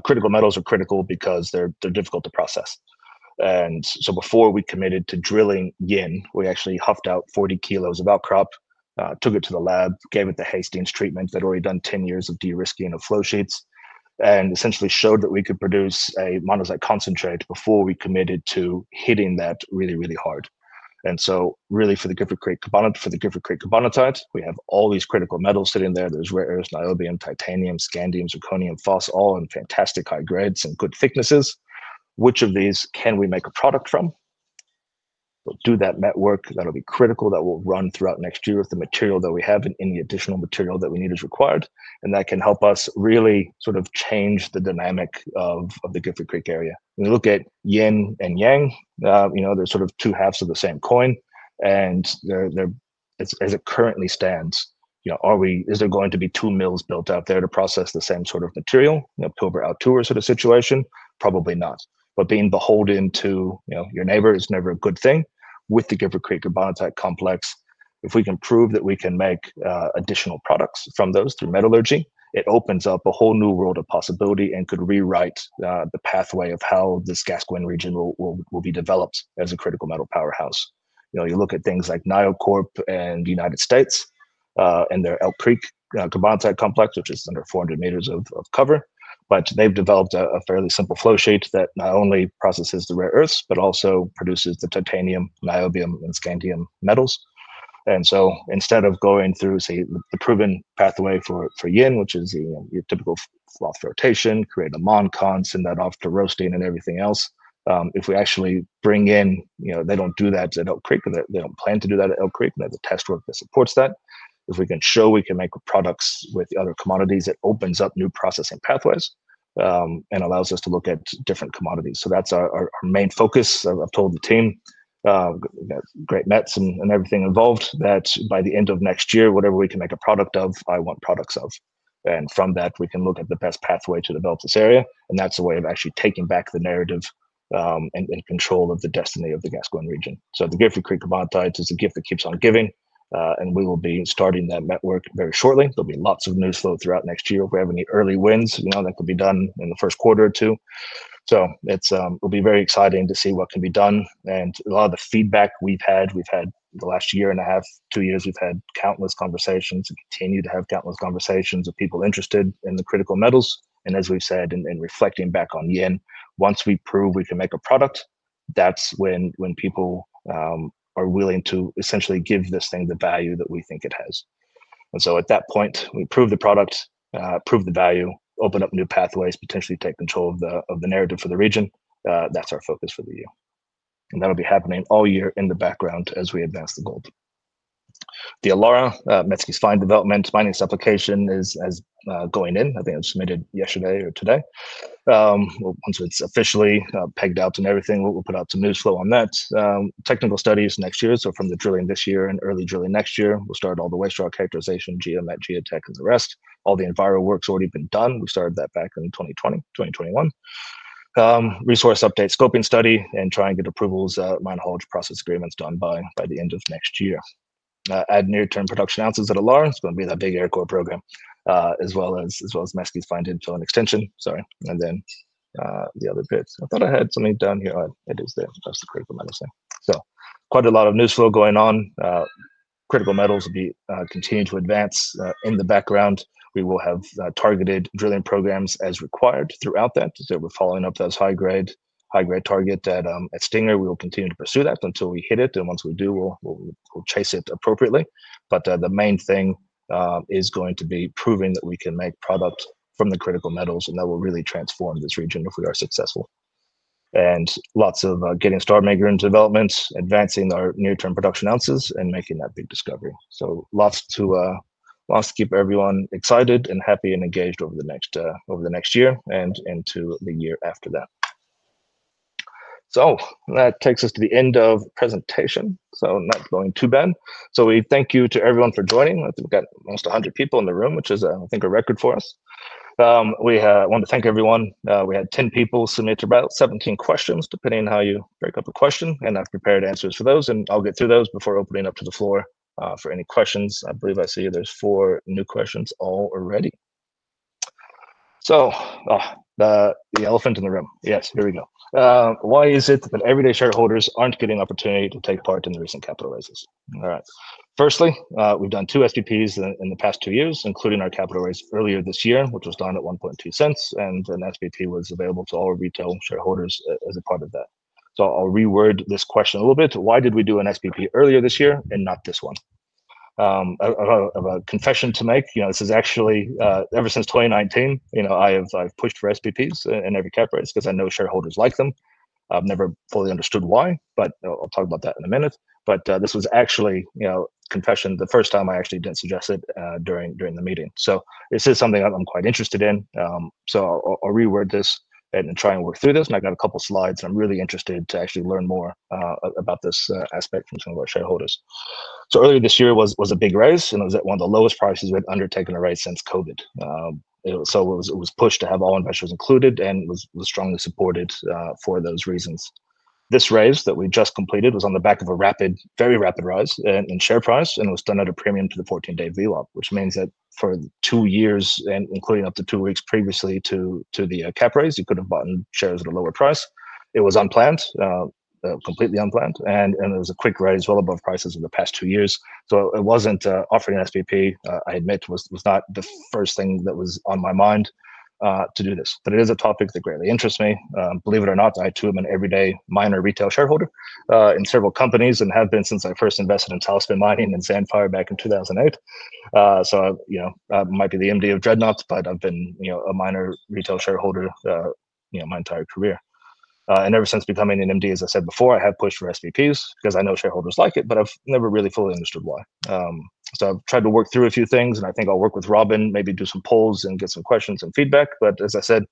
Critical metals are critical because they're difficult to process. Before we committed to drilling Yin, we actually huffed out 40 kilos of outcrop, took it to the lab, gave it the Hastings treatment that had already done 10 years of de-risking of flow sheets, and essentially showed that we could produce a monazite concentrate before we committed to hitting that really, really hard. For the Gifford Creek Carbonatite, we have all these critical metals sitting there. There's rare earth, niobium, titanium, scandium, zirconium, phosphate, all in fantastic high grades and good thicknesses. Which of these can we make a product from? Do that metallurgical test work that'll be critical, that will run throughout next year with the material that we have, and any additional material that we need as required. That can help us really sort of change the dynamic of the Gifford Creek area. Look at Yin and Yang. They're sort of two halves of the same coin. As it currently stands, you know, are we, is there going to be two mills built out there to process the same sort of material, two-hub sort of situation? Probably not. Being beholden to your neighbor is never a good thing. With the Gifford Creek Carbonatite Complex, if we can prove that we can make additional products from those through metallurgy, it opens up a whole new world of possibility and could rewrite the pathway of how this Gascoyne region will be developed as a critical metal powerhouse. You look at things like NioCorp in the United States and their Elk Creek carbonatite complex, which is under 400 meters of cover, but they've developed a fairly simple flow sheet that not only processes the rare earths, but also produces the titanium, niobium, and scandium metals. Instead of going through, say, the proven pathway for Yin, which is your typical flotation, create a monazite concentrate and that off to roasting and everything else. If we actually bring in, they don't do that at Elk Creek. They don't plan to do that at Elk Creek, and they have test work that supports that. If we can show we can make products with other commodities, it opens up new processing pathways and allows us to look at different commodities. That's our main focus. I've told the team, great mets and everything involved, that by the end of next year, whatever we can make a product of, I want products of. From that we can look at the best pathway to develop this area. That's a way of actually taking back the narrative and control of the destiny of the Gascoyne Region. The Gifford Creek Carbonatite Complex is a gift that keeps on giving and we will be starting that network very shortly. There will be lots of news flow throughout next year. If we have any early wins, that could be done in the first quarter or two. It will be very exciting to see what can be done. A lot of the feedback we've had, over the last year and a half, two years, we've had countless conversations and continue to have countless conversations with people interested in the critical metals. As we've said and reflecting back on it, once we prove we can make a product, that's when people are willing to essentially give this thing the value that we think it has. At that point we prove the product, prove the value, open up new pathways, potentially take control of the narrative for the region. That's our focus for the year and that'll be happening all year. In the background as we advance the gold, the Illaara Metzke’s Find development mining application is going in. I think it was submitted yesterday or today. Once it's officially pegged out and everything, we'll put out some news flow on that. Technical studies next year, so from the drilling this year and early drilling next year, we'll start all the wastewater characterization, geomet, geotech and the rest. All the enviro work's already been done. We started that back in 2020, 2021 resource update, scoping study and try and get approvals, mine haulage process agreements done by the end of next year. Add near term production ounces at Illaara. It's going to be that big aircore program as well as Metzke’s Find infill and extension. Sorry. The other bits, I thought I had something down here. It is there. That's the critical metal thing. Quite a lot of news flow going on. Critical metals will be continued to advance in the background. We will have targeted drilling programs as required throughout that. We're following up those high grade, high grade target at Stinger. We will continue to pursue that until we hit it, and once we do, we'll chase it appropriately. The main thing is going to be proving that we can make product from the critical metals, and that will really transform this region if we are successful. There is lots of getting StarMaker into development, advancing our near term production ounces, and making that big discovery. There is lots to keep everyone excited, happy, and engaged over the next year and into the year after that. That takes us to the end of the presentation. Not going too bad. We thank you to everyone for joining. We've got almost 100 people in the room, which is, I think, a record for us. We want to thank everyone. We had 10 people submit about 17 questions, depending how you break up a question, and I've prepared answers for those. I'll get through those before opening up to the floor for any questions, I believe. I see there's four new questions already. The elephant in the room. Yes, here we go. Why is it that everyday shareholders aren't getting opportunity to take part in the recent capital raises? Firstly, we've done 2 SPPs in the past 2 years, including our capital raise earlier this year, which was down at 0.012, and an SPP was available to all retail shareholders as a part of that. I'll reword this question a little bit. Why did we do an SPP earlier this year and not this one? A confession to make. Ever since 2019, I've pushed for SPPs in every cap raise because I know shareholders like them. I've never fully understood why, but I'll talk about that in a minute. This was actually, confession, the first time. I actually did suggest it during the meeting. This is something that I'm quite interested in. I'll reword this and try and work through this. I got a couple slides. I'm really interested to actually learn more about this aspect from some of our shareholders. Earlier this year was a big raise, and it was at one of the lowest prices we had undertaken a raise since COVID. It was pushed to have all investors included and was strongly supported for those reasons. This raise that we just completed was on the back of a rapid, very rapid rise in share price, and it was done at a premium to the 14-day VWAP, which means that for two years, including up to two weeks previously to the cap raise, you could have bought shares at a lower price. It was unplanned, completely unplanned, and there was a quick rise well above prices in the past two years. It wasn't offering an SPP, I admit was not the first thing that was on my mind to do this, but it is a topic that greatly interests me. Believe it or not, I too am an everyday minor retail shareholder in several companies and have been since I first invested in Talisman Mining and Sandfire back in 2008. I might be the MD of Dreadnought, but I've been a minor retail shareholder, you know, my entire career and ever since becoming a MD, as I said before, I have pushed for SPPs because I know shareholders like it, but I've never really fully understood why. I've tried to work through a few things and I think I'll work with Robin, maybe do some polls and get some questions and feedback. As I said,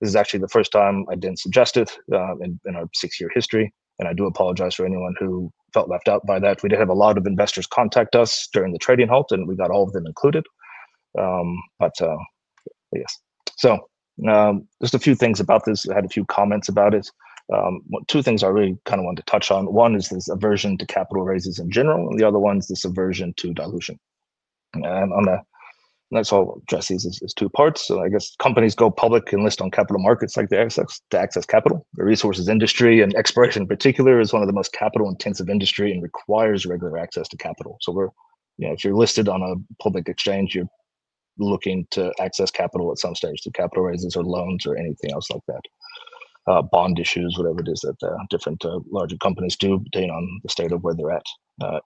this is actually the first time I didn't suggest it in our six-year history and I do apologize for anyone who felt left out by that. We did have a lot of investors contact us during the trading halt and we got all of them included. Yes, just a few things about this. I had a few comments about it. Two things I really kind of wanted to touch on. One is this aversion to capital raises in general and the other one is this aversion to dilution. That's all just these two parts. I guess companies go public and list on capital markets to access capital. The resources industry and exploration in particular is one of the most capital intensive industries and requires regular access to capital. If you're listed on a public exchange, you're looking to access capital at some stage through capital raises or loans or anything else like that, bond issues, whatever it is that different larger companies do depending on the state of where they're at.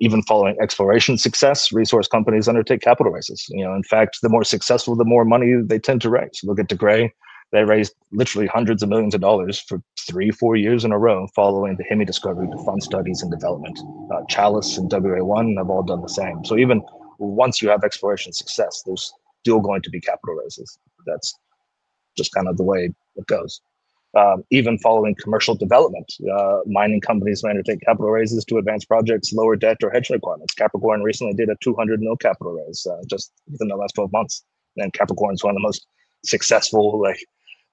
Even following exploration success, resource companies undertake capital raises. In fact, the more successful, the more money they tend to raise. Look at De Grey. They raised literally hundreds of millions of dollars for three, four years in a row following the Hemi discovery to fund studies and development. Chalice and WA1 have all done the same. Even once you have exploration success, there's still going to be capital raises. That's just kind of the way it goes. Even following commercial development, mining companies may undertake capital raises to advance projects, lower debt or hedge requirements. Capricorn recently did a 200 million capital raise just within the last 12 months and Capricorn is one of the most successful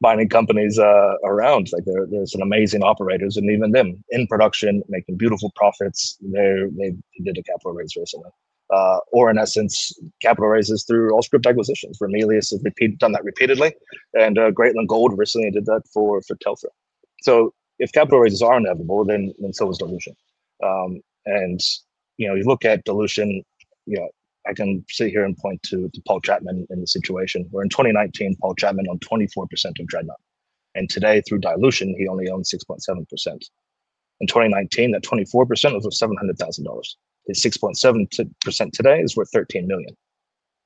mining companies around. They're amazing operators and even them in production making beautiful profits. They did a capital raise recently or in essence capital raises through all scrip acquisitions. Ramelius has done that repeatedly and Greatland Gold recently did that for Telfer. If capital raises are inevitable, then so is dilution. You look at dilution. I can sit here and point to Paul Chapman in the situation where in 2019, Paul Chapman owned 24% of Dreadnought and today through dilution, he only owns 6.7%. In 2019, that 24% was 700,000 dollars. His 6.7% today is worth 13 million.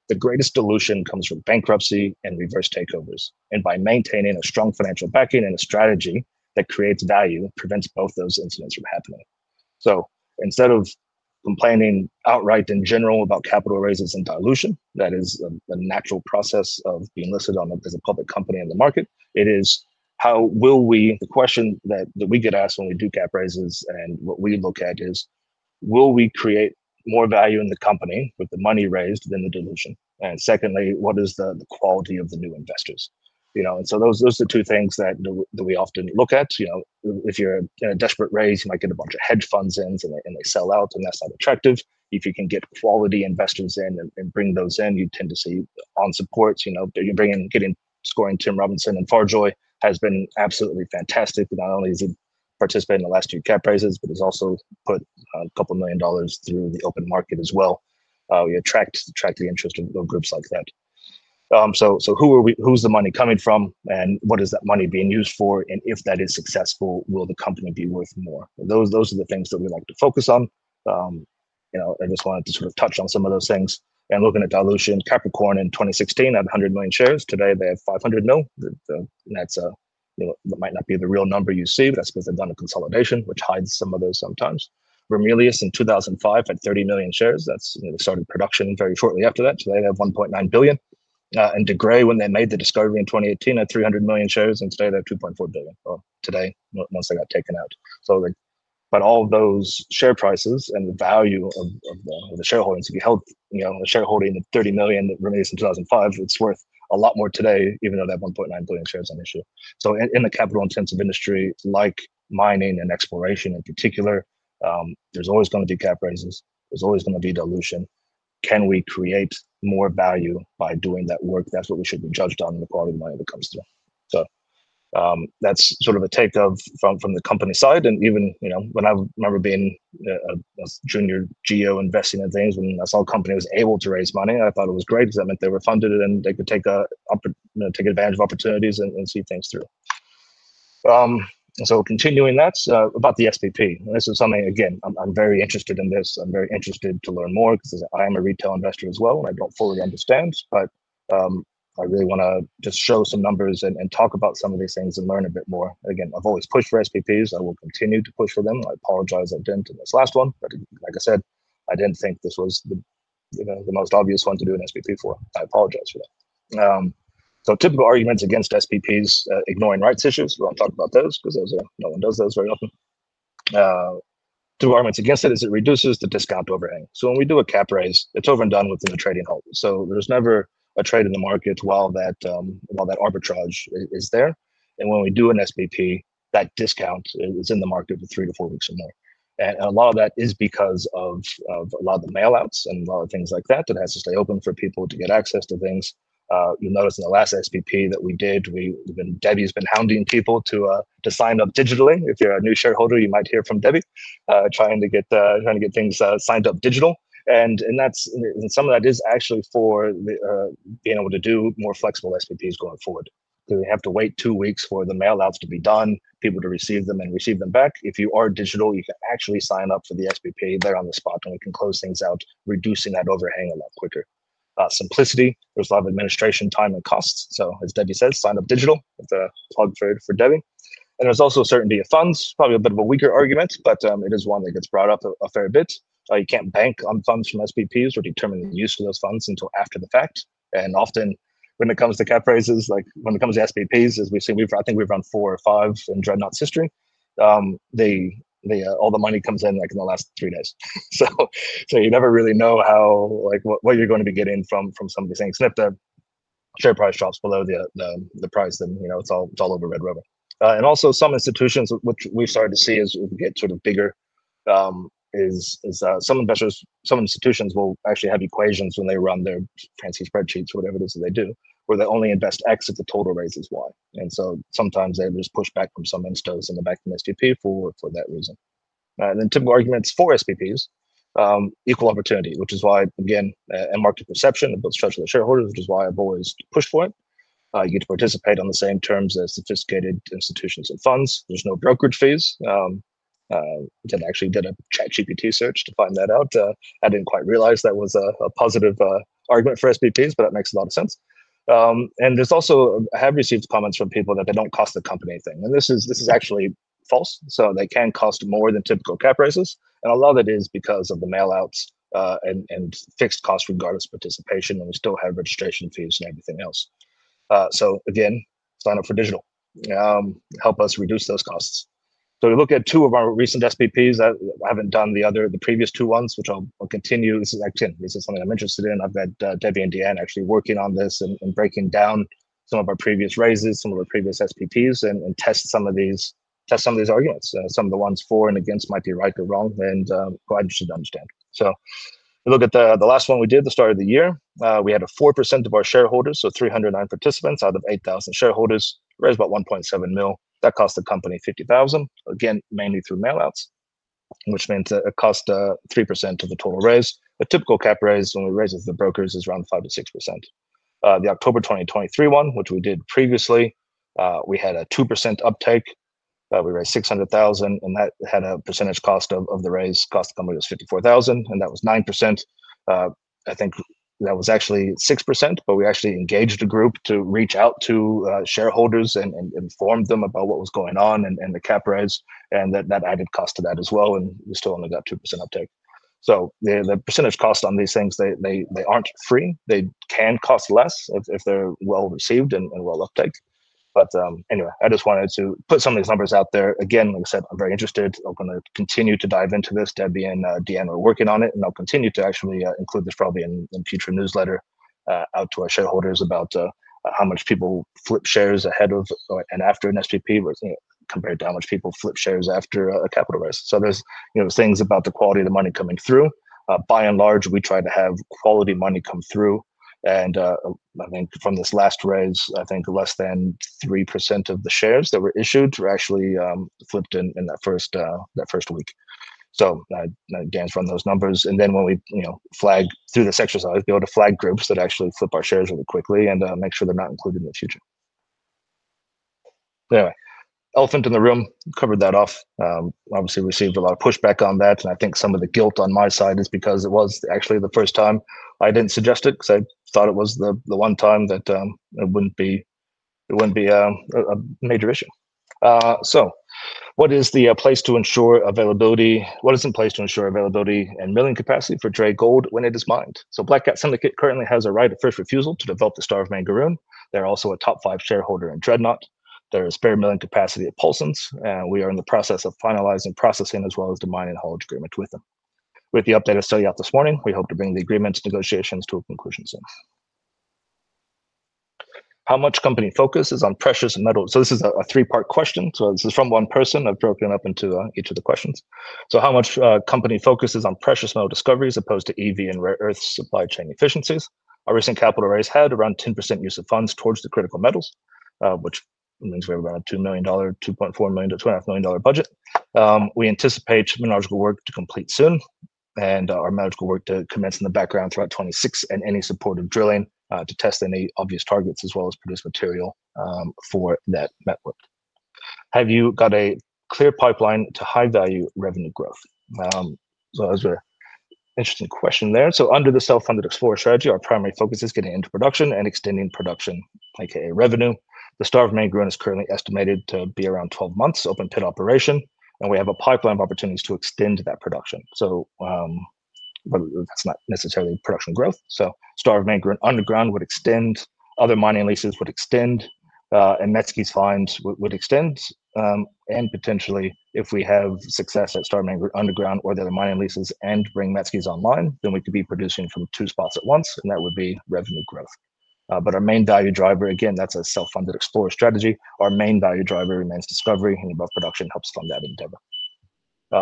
The greatest dilution comes from bankruptcy and reverse takeovers. By maintaining a strong financial backing and a strategy that creates value, it prevents both those incidents from happening. Instead of complaining outright in general about capital raises and dilution, that is a natural process of being listed on a public company in the market, it is how will we. The question that we get asked when we do cap raises and what we look at is will we create more value in the company with the money raised than the dilution? Secondly, what is the quality of the new investors? Those are the two things that we often look at. If you're in a desperate raise, you might get a bunch of hedge funds in and they sell out. That's not attractive. If you can get quality investors in and bring those in, you tend to see on supports, you know you're bringing, getting, scoring. Tim Robinson and Farjoy has been absolutely fantastic. Not only is it participating in the last two cap raises, but has also put a couple million dollars through the open market as well. We attract the interest of groups like that. Who are we? Who's the money coming from and what is that money being used for? If that is successful, will the company be worth more? Those are the things that we like to focus on. I just wanted to touch on some of those things and looking at dilution, Capricorn in 2016 had 100 million shares, today they have 500 million. That might not be the real number you see, but that's because they've done a consolidation which hides some of those sometimes. Ramelius in 2005 had 30 million shares that started production very shortly after that. Today they have 1.9 billion. De Grey, when they made the discovery in 2018, had 300 million shares and stayed at 2.4 billion today once they got taken out. All those share prices and the value of the shareholders, if you held the shareholding, the 30 million that remains in 2005, it's worth a lot more today, even though there are 1.9 billion shares on issue. In a capital intensive industry like mining and exploration in particular, there's always going to be cap raises, there's always going to be dilution. Can we create more value by doing that work? That's what we should be judged on in the part of the money that comes to. That's sort of a take from the company side and even, you know, I remember being a junior Geo investing in things, when I saw a company was able to raise money I thought it was great because that meant they were funded and they could take advantage of opportunities and see things through. Continuing that about the SPP, this is something again, I'm very interested in this. I'm very interested to learn more because I am a retail investor as well and I don't fully understand but I really want to just show some numbers and talk about some of these things and learn a bit more. Again, I've always pushed for SPPs. I will continue to push for them. I apologize I didn't in this last one but like I said, I didn't think this was the most obvious one to do an SPP for. I apologize for that. Typical arguments against SPPs, ignoring rights issues. We won't talk about those because no one does those very often. Two arguments against it are it reduces the discount overhang. When we do a cap raise, it's over and done within the trading halt. There's never a trade in the market while that arbitrage is there. When we do an SPP, that discount is in the market for three to four weeks or more. A lot of that is because of a lot of the mail outs and a lot of things like that. That has to stay open for people to get access to things. You'll notice in the last SPP that we did, Debbie's been hounding people to sign up digitally. If you're a new shareholder, you might hear from Debbie trying to get things signed up digital. Some of that is actually for being able to do more flexible SPPs going forward because we have to wait two weeks for the mail outs to be done, people to receive them and receive them back. If you are digital, you can actually sign up for the SPP there on the spot and we can close things out, reducing that overhang a lot quicker. Simplicity, there's a lot of administration time and costs. As Debbie says, sign up digital, hog trade for Debbie. There's also certainty of funds. Probably a bit of a weaker argument, but it is one that gets brought up a fair bit. You can't bank on funds from SPPs or determine the use of those funds until after the fact. Often when it comes to cap raises, like when it comes to SPPs, as we've seen, I think we've run four or five in Dreadnought's history. All the money comes in in the last three days, so you never really know what you're going to be getting from somebody. If the share price drops below the price, then you know it's all over red rubber. Some institutions, which we've started to see as we get sort of bigger, some investors, some institutions will actually have equations when they run their fancy spreadsheets or whatever it is that they do, where they only invest X if the total raises Y, and sometimes they just push back from some instos in the back of the SPP for that reason. Typical arguments for SPPs are equal opportunity, which is why again, and market perception of trust for the shareholders, which is why I've always pushed for it. You get to participate on the same terms as sophisticated institutions and funds. There's no brokerage fees. I actually did a ChatGPT search to find that out. I didn't quite realize that was a positive argument for SPPs, but that makes a lot of sense. I've also received comments from people that they don't cost the company anything, and this is actually false. They can cost more than typical cap raises, and a lot of it is because of the mail outs and fixed costs regardless of participation, and we still have registration fees and everything else. Again, sign up for digital, help us reduce those costs. We look at two of our recent SPPs. I haven't done the other, the previous two ones, which I'll continue. This is action, this is something I'm interested in. I've got Debbie and Deanne actually working on this and breaking down some of our previous raises, some of our previous SPPs, and test some of these, test some of these arguments. Some of the ones for and against might be right or wrong, and glad you should understand. Look at the last one we did at the start of the year. We had 4% of our shareholders, so 309 participants out of 8,000 shareholders, raised about 1.7 million. That cost the company 50,000, again mainly through mail outs, which meant a cost of 3% of the total raise. A typical cap raise when we raise it to brokers is around 5% - 6%. The October 2023 one, which we did previously, we had a 2% uptake. We raised 600,000 and that had a percentage cost of the raise cost of 54,000, and that was 9%. I think that was actually 6%, but we actually engaged a group to reach out to shareholders and inform them about what was going on and the cap raise, and that added cost to that as well. We still only got 2% uptake. The percentage cost on these things, they aren't free. They can cost less if they're well received and well uptaken. I just wanted to put some of these numbers out there. Like I said, I'm very interested. I'm going to continue to dive into this. Debbie and Dan are working on it, and I'll continue to actually include this probably in future newsletters out to our shareholders about how much people flip shares ahead of and after an SPP compared to how much people flip shares after a capital raise. There are things about the quality of the money coming through. By and large, we try to have quality money come through, and I think from this last raise, I think less than 3% of the shares that were issued were actually flipped in that first week. Dan's run those numbers, and then when we flag through this exercise, we'll be able to flag groups that actually flip our shares really quickly and make sure they're not included in the future. Elephant in the room, covered that off. Obviously received a lot of pushback on that, and I think some of the guilt on my side is because it was actually the first time I didn't suggest it because I thought it was the one time that it wouldn't be a major issue. What is in place to ensure availability and milling capacity for Dreadnought gold when it is mined? Black Cat Syndicate currently has a right of first refusal to develop the Star of Mangaroon. They're also a top five shareholder in Dreadnought. There is bare milling capacity at Paulsens, and we are in the process of finalizing processing as well as the mining haulage agreement with them. With the update of selling out this morning, we hope to bring the agreements negotiations to a conclusion soon. How much company focuses on precious metals? This is a three-part question. This is from one person. I've broken up into each of the questions. How much company focuses on precious metal discoveries opposed to EV and rare earth supply chain efficiencies? Our recent capital raise had around 10% use of funds towards the critical metals, which means we have around 2 million dollar, 2.4 million dollar to AUD 2.5 million budget. We anticipate metallurgical work to complete soon and our metallurgical work to commence in the background throughout 2026 and any supportive drilling to test any obvious targets as well as produce material for that metallurgical work. Have you got a clear pipeline to high value revenue growth? That was an interesting question there. Under the self-funded explorer strategy, our primary focus is getting into production and extending production, AKA revenue. The Star of Mangaroon is currently estimated to be around 12 months open pit operation and we have a pipeline of opportunities to extend that production. That's not necessarily production growth. Star of Mangaroon Underground would extend, other mining leases would extend, and Metzke’s Find would extend. Potentially, if we have success at Star of Mangaroon Underground or the other mining leases and bring Metzke’s online, then we could be producing from two spots at once and that would be revenue growth. Our main value driver, again that's a self-funded explorer strategy. Our main value driver remains discovery and above production helps fund that endeavor.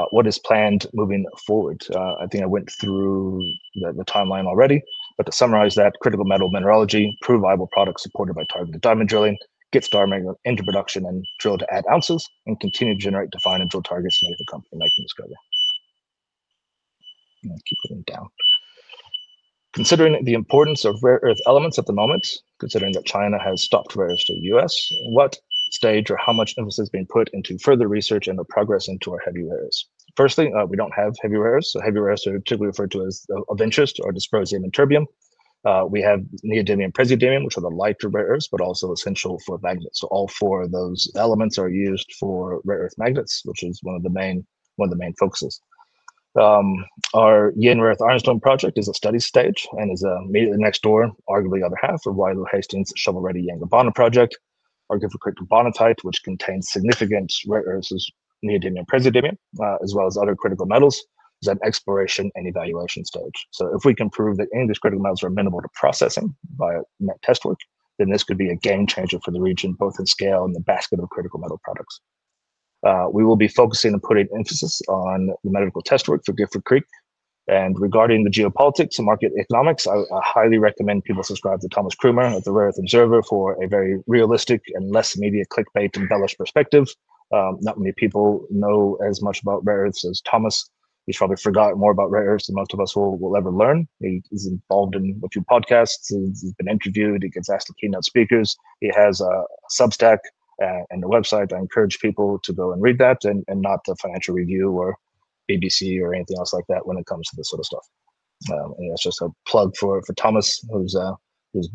What is planned moving forward? I think I went through the timeline already, but to summarize, that critical metal mineralogy, provable products supported by targeted diamond drilling, get Star of Mangaroon into production and drill to add ounces and continue to generate, define, and drill targets like the company, like in this area, keep putting down. Considering the importance of rare earth elements at the moment, considering that China has stopped rares to the U.S., what stage or how much emphasis being put into further research and the progress into our heavy rares? Firstly, we don't have heavy rares. Heavy rares are typically referred to as of interest or dysprosium and terbium. We have neodymium and praseodymium, which are the lighter rare earths but also essential for magnets. All four of those elements are used for rare earth magnets, which is one of the main focuses. Our Yin Rare Earth Ironstone project is at study stage and is immediately next door, arguably the other half of Wyloo Hastings' shovel-ready Yangibana project. Carbonatite, which contains significant rare earths neodymium, praseodymium as well as other critical metals, is at exploration and evaluation stage. If we can prove that any of these critical metals are amenable to processing via test work, then this could be a game changer for the region both in scale and the basket of critical metal products. We will be focusing and putting emphasis on the metallurgical test work for Gifford Creek and regarding the geopolitics and market economics. I highly recommend people subscribe to Thomas Crumer at the Rare Earth Observer for a very realistic and less media clickbait-embellished perspective. Not many people know as much about rare earths as Thomas. He's probably forgotten more about rare earths than most of us will ever learn. He's involved in a few podcasts, he's been interviewed, he gets asked to keynote speakers, he has a Substack and a website. I encourage people to go and read that, and not the Financial Review or BBC or anything else like that when it comes to this sort of stuff. That's just a plug for Thomas. His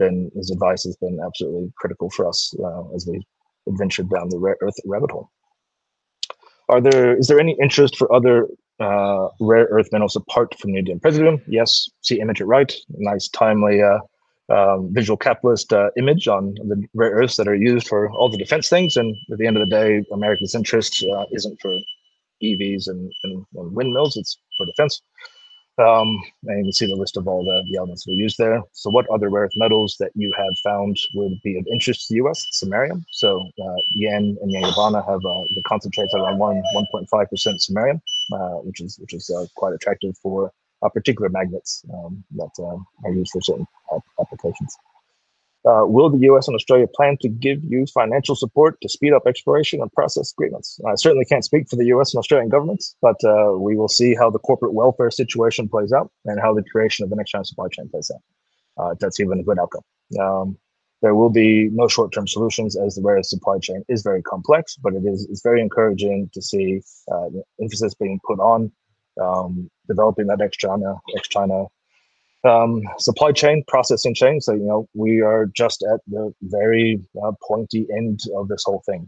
advice has been absolutely critical for us as we adventure down the rare earth rabbit hole. Is there any interest for other rare earth minerals apart from the Indian praseodymium? Yes. See image at right. Nice timely Visual Capitalist image on the rare earths that are used for all the defense things. At the end of the day, America's interest isn't for EVs and windmills, it's for defense. You can see the list of all the elements we use there. What other rare earth metals that you have found would be of interest to us? Samarium. So Yin and Yangibana have the concentrates around 1% - 1.5% samarium, which is quite attractive for particular magnets that are used for certain applications. Will the U.S. and Australia plan to give you financial support to speed up exploration and process agreements? I certainly can't speak for the U.S. and Australian governments, but we will see how the corporate welfare situation plays out and how the creation of the next channel supply chain plays out. That's even a good outcome. There will be no short-term solutions as the various supply chain is very complex. It is very encouraging to see emphasis being put on developing that ex-China supply chain processing chain. You know we are just at the very pointy end of this whole thing.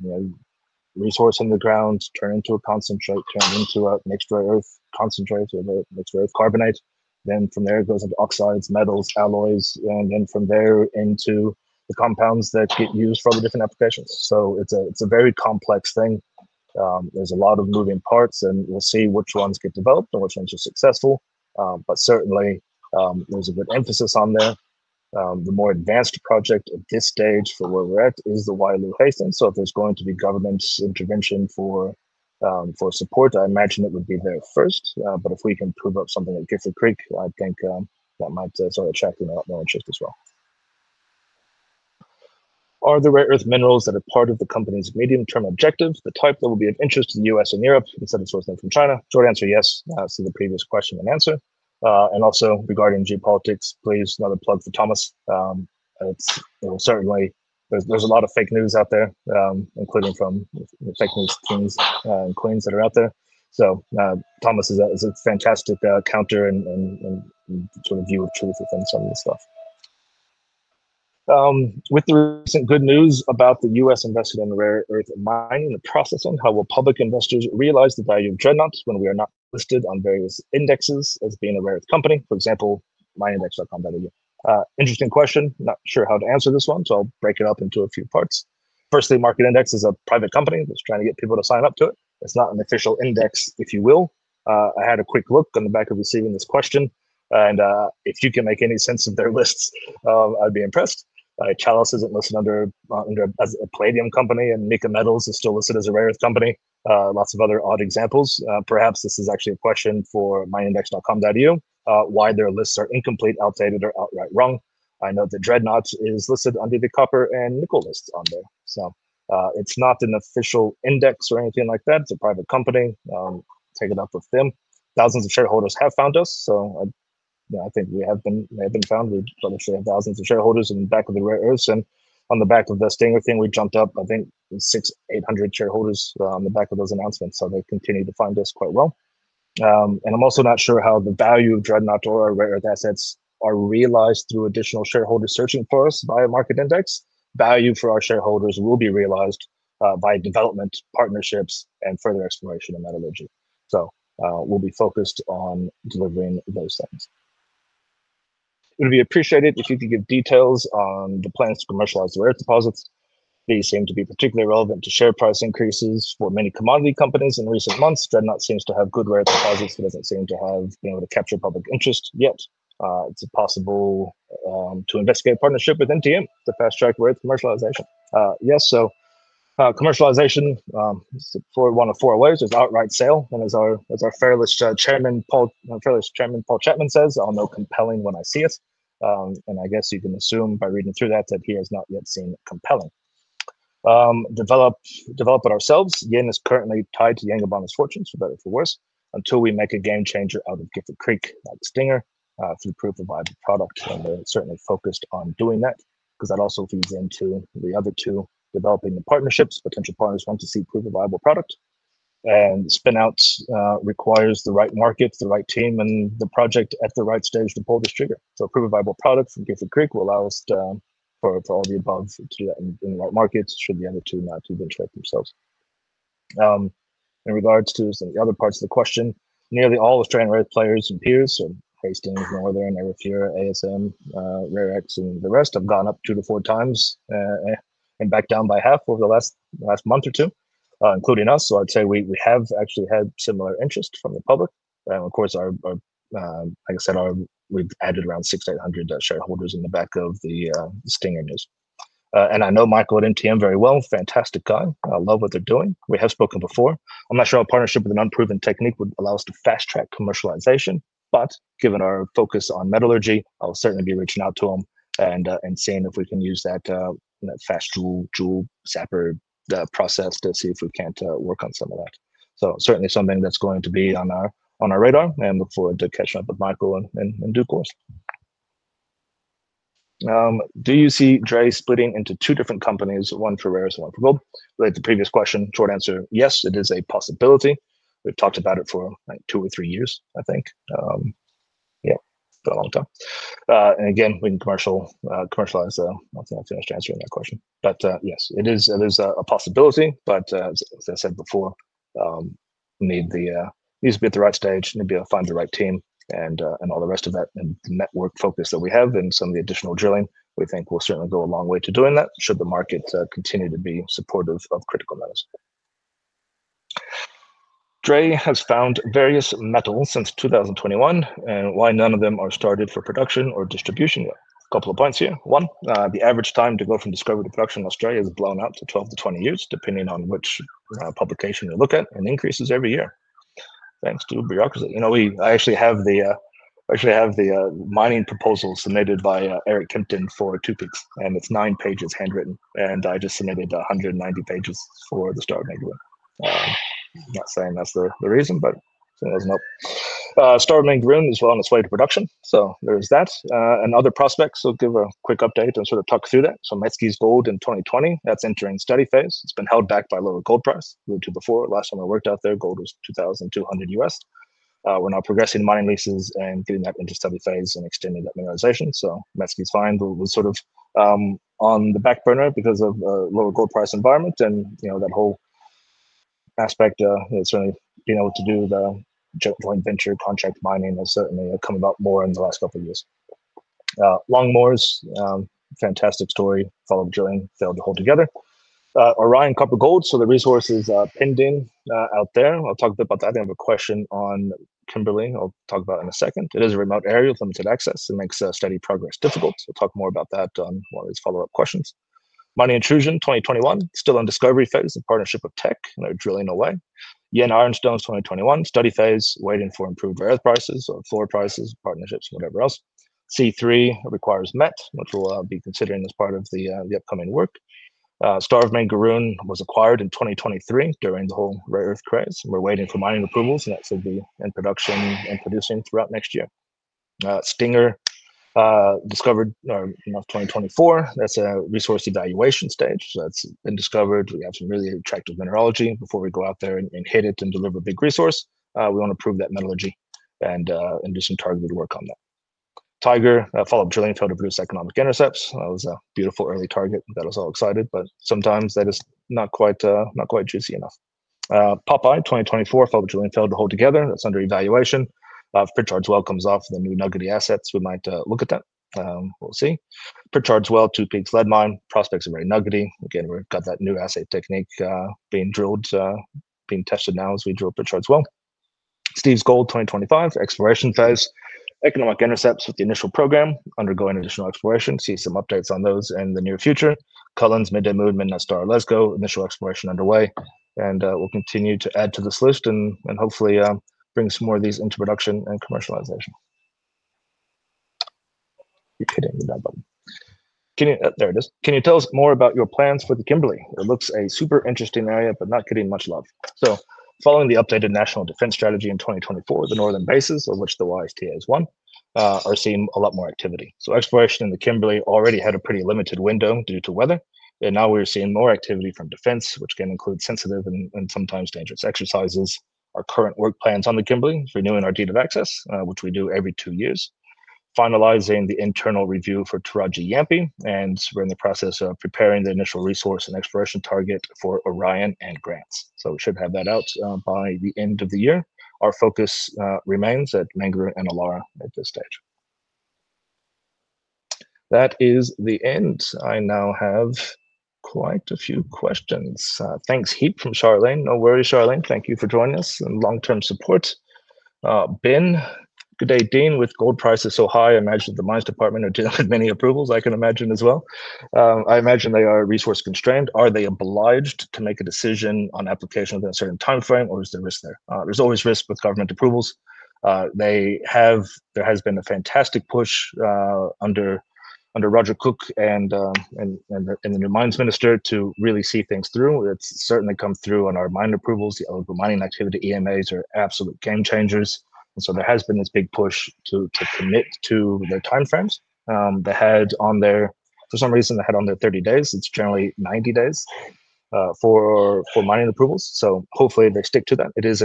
Resource in the ground turns into a concentrate, turns into a mixed rare earth concentrate mixed with carbonate. From there it goes into oxides, metals, alloys, and then from there into the compounds that get used for the different applications. It's a very complex thing. There's a lot of moving parts and we'll see which ones get developed and which ones are successful. Certainly there's a good emphasis on there. The more advanced project at this stage for where we're at is the Wyloo Hastings. If there's going to be government intervention for support, I imagine it would be there first. If we can prove up something at Gifford Creek, I think that might sort of attract more interest as well. Are the rare earth minerals that are part of the company's medium-term objective the type that will be of interest to the U.S. and Europe instead of sourcing them from China? Short answer, yes to the previous question and answer. Also, regarding geopolitics, please another plug for Thomas. Certainly there's a lot of fake news out there, including from fake news kings and queens that are out there. Thomas is a fantastic counter and sort of view of truth within some of this stuff. With the recent good news about the U.S. invested in rare earth mining and processing, how will public investors realize the value of Dreadnought when we are not listed on various indexes as being a rare earth company? For example, myindex.comedu. Interesting question. Not sure how to answer this one, so I'll break it up into a few parts. Firstly, Market Index is a private company that's trying to get people to sign up to it. It's not an official index, if you will. I had a quick look on the back of receiving this question and if you can make any sense of their lists, I'd be impressed. Chalice isn't listed under a palladium company and Mika Metals is still listed as a rare earth company. Lots of other odd examples. Perhaps this is actually a question for myindex.com why their lists are incomplete, outdated, or outright wrong. I know that Dreadnought is listed under the copper and nickel lists on there, so it's not an official index or anything like that. It's a private company. Take it up with them. Thousands of shareholders have found us, so I think we have been found. We have thousands of shareholders in the back of the rare earths and on the back of the Stinger thing we jumped up, I think, 600 to 800 shareholders on the back of those announcements, so they continue to find us quite well. I'm also not sure how the value of Dreadnought or rare earth assets are realized through additional shareholders searching for us via market index. Value for our shareholders will be realized by development, partnerships, and further exploration of metallurgy, so we'll be focused on delivering those things. It would be appreciated if you could give details on the plans to commercialize the rare deposits. These seem to be particularly relevant to share price increases for many commodity companies in recent months. Dreadnought seems to have good rare deposits. It doesn't seem to have been able to capture public interest yet. It's possible to investigate partnership with MTM to fast track its commercialization. Yes, commercialization is one of four ways. There's outright sale and, as our fearless Chairman Paul Chapman says, I'll know compelling when I see it, and I guess you can assume by reading through that that he has not yet seen compelling. Develop it ourselves. Yin is currently tied to Yangibana's fortunes for better or worse until we make a game changer out of Gifford Creek like Stinger through proof of viable product and certainly focused on doing that because that also feeds into the other two, developing the partnerships. Potential partners want to see proof of viable product, and spin outs require the right markets, the right team, and the project at the right stage to pull this trigger. Prove a viable product from Gifford Creek will allow us for all the above to do that in the right markets should the other two not venture out themselves. In regards to some of the other parts of the question, nearly all Australian players and peers, Hastings, Northern, Arafura, ASM, RareX, and the rest have gone up two to four times and back down by half over the last month or two, including us. I'd say we have actually had some similar interest from the public. Like I said, we've added around 600 - 800 shareholders in the back of the Stinger news, and I know Michael at MTM very well. Fantastic guy. I love what they're doing. We have spoken before. I'm not sure our partnership with an unproven technique would allow us to fast track commercialization, but given our focus on metallurgy I'll certainly be reaching out to them and seeing if we can use that fast tool jewel zapper the process to see if we can't work on some of that. Certainly something that's going to be on our radar and look forward to catching up with Michael in due course. Do you see DRE's splitting into two different companies, one for rares, one for gold? Like the previous question, short answer, yes, it is a possibility. We've talked about it for two or three years I think. Yeah, for a long time and again we can commercialize. I think I finished answering that question but yes it is, it is a possibility but as I said before needs to be at the right stage, need to be able to find the right team and all the rest of that and network focus that we have and some of the additional drilling we think will certainly go a long way to doing that should the market continue to be supportive of critical metals. DRE has found various metals since 2021 and why none of them are started for production or distribution. A couple of points here. 1 the average time to go from discovery to production in Australia has blown out to 12 to 20 years depending on which publication you look at and increases every year thanks to bureaucracy. I actually have the mining proposal submitted by Eric Kempton for Two Peaks and it's nine pages handwritten and I just submitted 190 pages for the Star of Mangaroon. Not saying that's the reason but Star of Mangaroon is well on its way to production so there's that and other prospects will give a quick update and sort of talk through that. So Metzke’s gold in 2020 that's entering steady phase. It's been held back by lower gold price due to before. Last time I worked out there gold was $2,200 US we're now progressing mining leases and getting that interstellar phase and extending that mineralization. So Metzke’s Find is fine but we're sort of on the back burner because of lower gold price environment and that whole aspect. Certainly being able to do the joint venture contract mining has certainly come about more in the last couple years. Longmores fantastic story followed. Drilling failed to hold together Orion Copper gold so the resource is pending out there. I'll talk about that. They have a question on Kimberley I'll talk about in a second. It is a remote area with limited access. It makes steady progress difficult. We'll talk more about that on Wednesday. These follow-up questions. Mining intrusion 2021 still in discovery phase in partnership with Teck, drilling away. Yin ironstones 2021 study phase, waiting for improved earth prices or floor prices, partnerships, whatever else C3 requires, which we'll be considering as part of the upcoming work. Star of Mangaroon was acquired in 2023 during the whole rare earth craze. We're waiting for mining approvals, and that should be in production and producing throughout next year. Stinger discovered 2024, that's at a resource evaluation stage. So that's been discovered. We have some really attractive mineralogy. Before we go out there and hit it and deliver a big resource, we want to prove that metallurgy and do some targeted work on that. Tiger followed drilling, failed to produce economic intercepts. That was a beautiful early target. That was all exciting, but sometimes that is not quite juicy enough. Popeye 2024, failed to hold together. That's under evaluation. If Pritchard's Well comes off, the new nuggety assets, we might look at that. We'll see. Pritchard's Well, Two Peaks lead mine prospects are very nuggety again. We've got that new assay technique being tested now as we drill Pritchard's Well. Steve's Gold 2025 exploration phase, economic intercepts with the initial program undergoing additional exploration. See some updates on those in the near future. Cullens, Midday Movement, Midnight Star, Lesgo. Initial exploration underway. We'll continue to add to this list and hopefully bring some more of these into production and commercialization. Keep hitting the down button, can you? There it is. Can you tell us more about your plans for the Kimberley? It looks a super interesting area but not getting much love. Following the updated national defense strategy in 2024, the northern bases, of which the YST one are seeing a lot more activity. Exploration in the Kimberley already had a pretty limited window due to weather, and now we're seeing more activity from defense, which can include sensitive and sometimes dangerous exercises. Our current work plans on the Kimberley: renewing our deed of access, which we do every two years; finalizing the internal review for Tarraji-Yampi and we're in the process of preparing the initial resource and exploration target for Orion and Grants. We should have that out by the end of the year. Our focus remains at Mangaroon and Illaara at this stage. That is the end. I now have quite a few questions. Thanks heap from Charlene. No worries Charlene. Thank you for joining us and long-term support. Ben. Good day. Dean. With gold prices so high, imagine the Mines Department are doing many approvals. I can imagine as well. I imagine they are resource constrained. Are they obliged to make a decision on application within a certain timeframe or is there risk there? There's always risk with government approvals. There has been a fantastic push under Roger Cook and the new Mines Minister to really see things through. It's certainly come through on our minor approvals. The eligible mining activity EMAs are absolute game changers and there has been this big push to commit to their timeframes. For some reason, they had on there 30 days. It's generally 90 days for mining approvals. Hopefully they stick to that. Is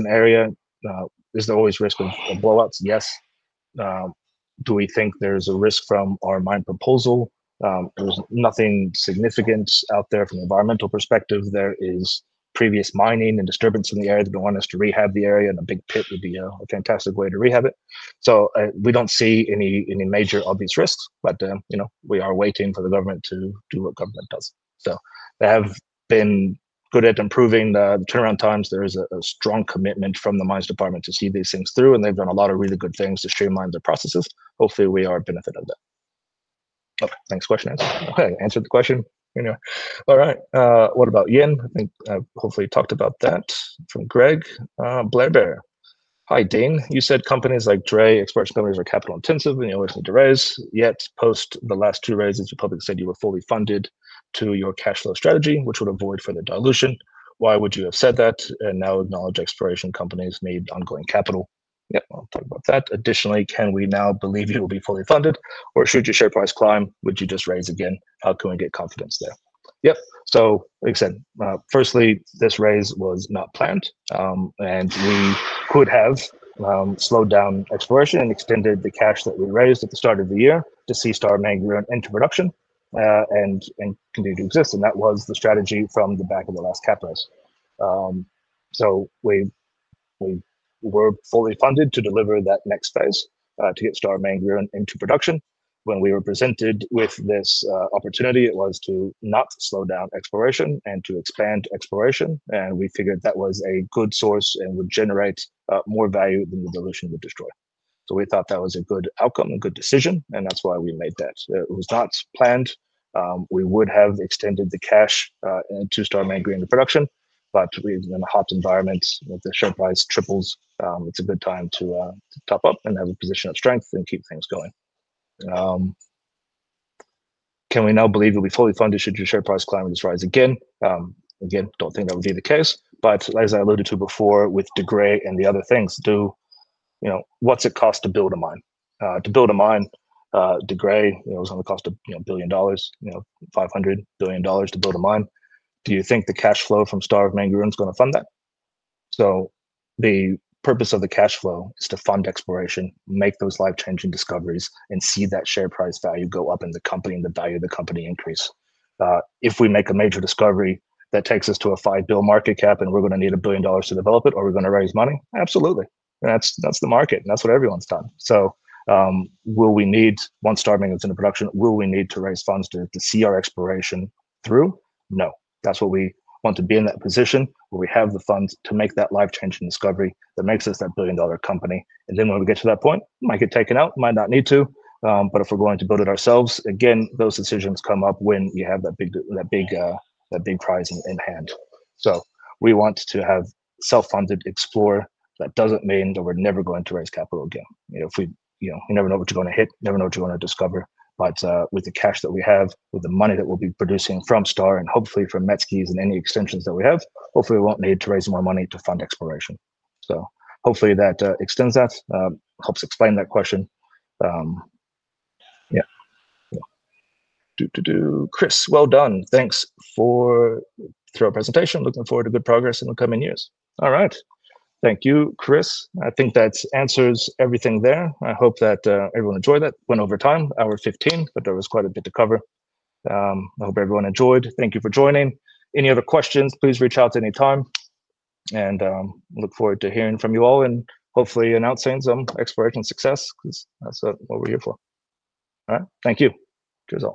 there always risk of blowouts? Yes. Do we think there's a risk from our mine proposal? There's nothing significant out there from an environmental perspective. There is previous mining and disturbance in the area. They want us to rehab the area and a big pit would be a fantastic way to rehab it. We don't see any major obvious risks. We are waiting for the government to do what government does. They have been good at improving the turnaround times. There is a strong commitment from the Mines Department to see these things through and they've done a lot of really good things to streamline their processes. Hopefully we are a benefit of that. Okay, thanks. Question answered the question anyway. All right, what about Yin? I think I hopefully talked about that. From Greg Blairbear. Hi Dean. You said companies like DRE are capital intensive and you always need to raise. Yet post the last two raises you publicly said you were fully funded to your cash flow strategy which would avoid further dilution. Why would you have said that and now acknowledge exploration companies need ongoing capital? Yeah, I'll talk about that. Additionally, can we now believe you will be fully funded or should your share price climb? Would you just raise again? How can we get confidence there? Yep. Like I said, firstly this raise was not planned and we could have slowed down exploration and extended the cash that we raised at the start of the year to see Star of Mangaroon into production and continue to exist. That was the strategy from the back of the last capital raise. We were fully funded to deliver that next phase to get Star of Mangaroon into production. When we were presented with this opportunity, it was to not slow down exploration and to expand exploration, and we figured that was a good source and would generate more value than the dilution would destroy. We thought that was a good outcome, a good decision, and that's why we made it. It was not planned. We would have extended the cash to Star of Mangaroon to production, but in a hot environment with the share price triples, it's a good time to top up and have a position of strength and keep things going. Can we now believe you'll be fully funded should your share price climb in this rise again? Again, don't think that would be the case, but as I alluded to before with De Grey and the other things. Do you know what it costs to build a mine? To build a mine, De Grey, it was only cost 1 billion dollars, 500 million dollars to build a mine. Do you think the cash flow from Star of Mangaroon is going to fund that? The purpose of the cash flow is to fund exploration, make those life changing discoveries, and see that share price value go up in the company and the value of the company increase. If we make a major discovery that takes us to a 5 billion market cap and we're going to need 1 billion dollars to develop it, are we going to raise money? Absolutely. That's the market and that's what everyone's done. Will we need, when Star of Mangaroon is in production, will we need to raise funds to see our exploration through? No, that's what we want, to be in that position where we have the funds to make that life changing discovery that makes us that billion dollar company, and then when we get to that point, might get taken out, might not need to. If we're going to build it ourselves again, those decisions come up when you have that big prize in hand. We want to have self-funded explorer. That doesn't mean that we're never going to raise capital again. You never know what you're going to hit, never know what you want to discover. With the cash that we have, with the money that we'll be producing from Star and hopefully from Metzke’s Find and any extensions that we have, hopefully we won't need to raise more money to fund exploration. Hopefully that helps explain that question. Yeah, Chris, well done. Thanks for the presentation. Looking forward to good progress in the coming years. All right, thank you, Chris. I think that answers everything there. I hope that everyone enjoyed that. Went over time, hour 15, but there was quite a bit to cover. I hope everyone enjoyed. Thank you for joining. Any other questions, please reach out anytime and look forward to hearing from you all and hopefully announcing some exploration success because that's what we're here for. All right, thank you. Cheers. Right, all.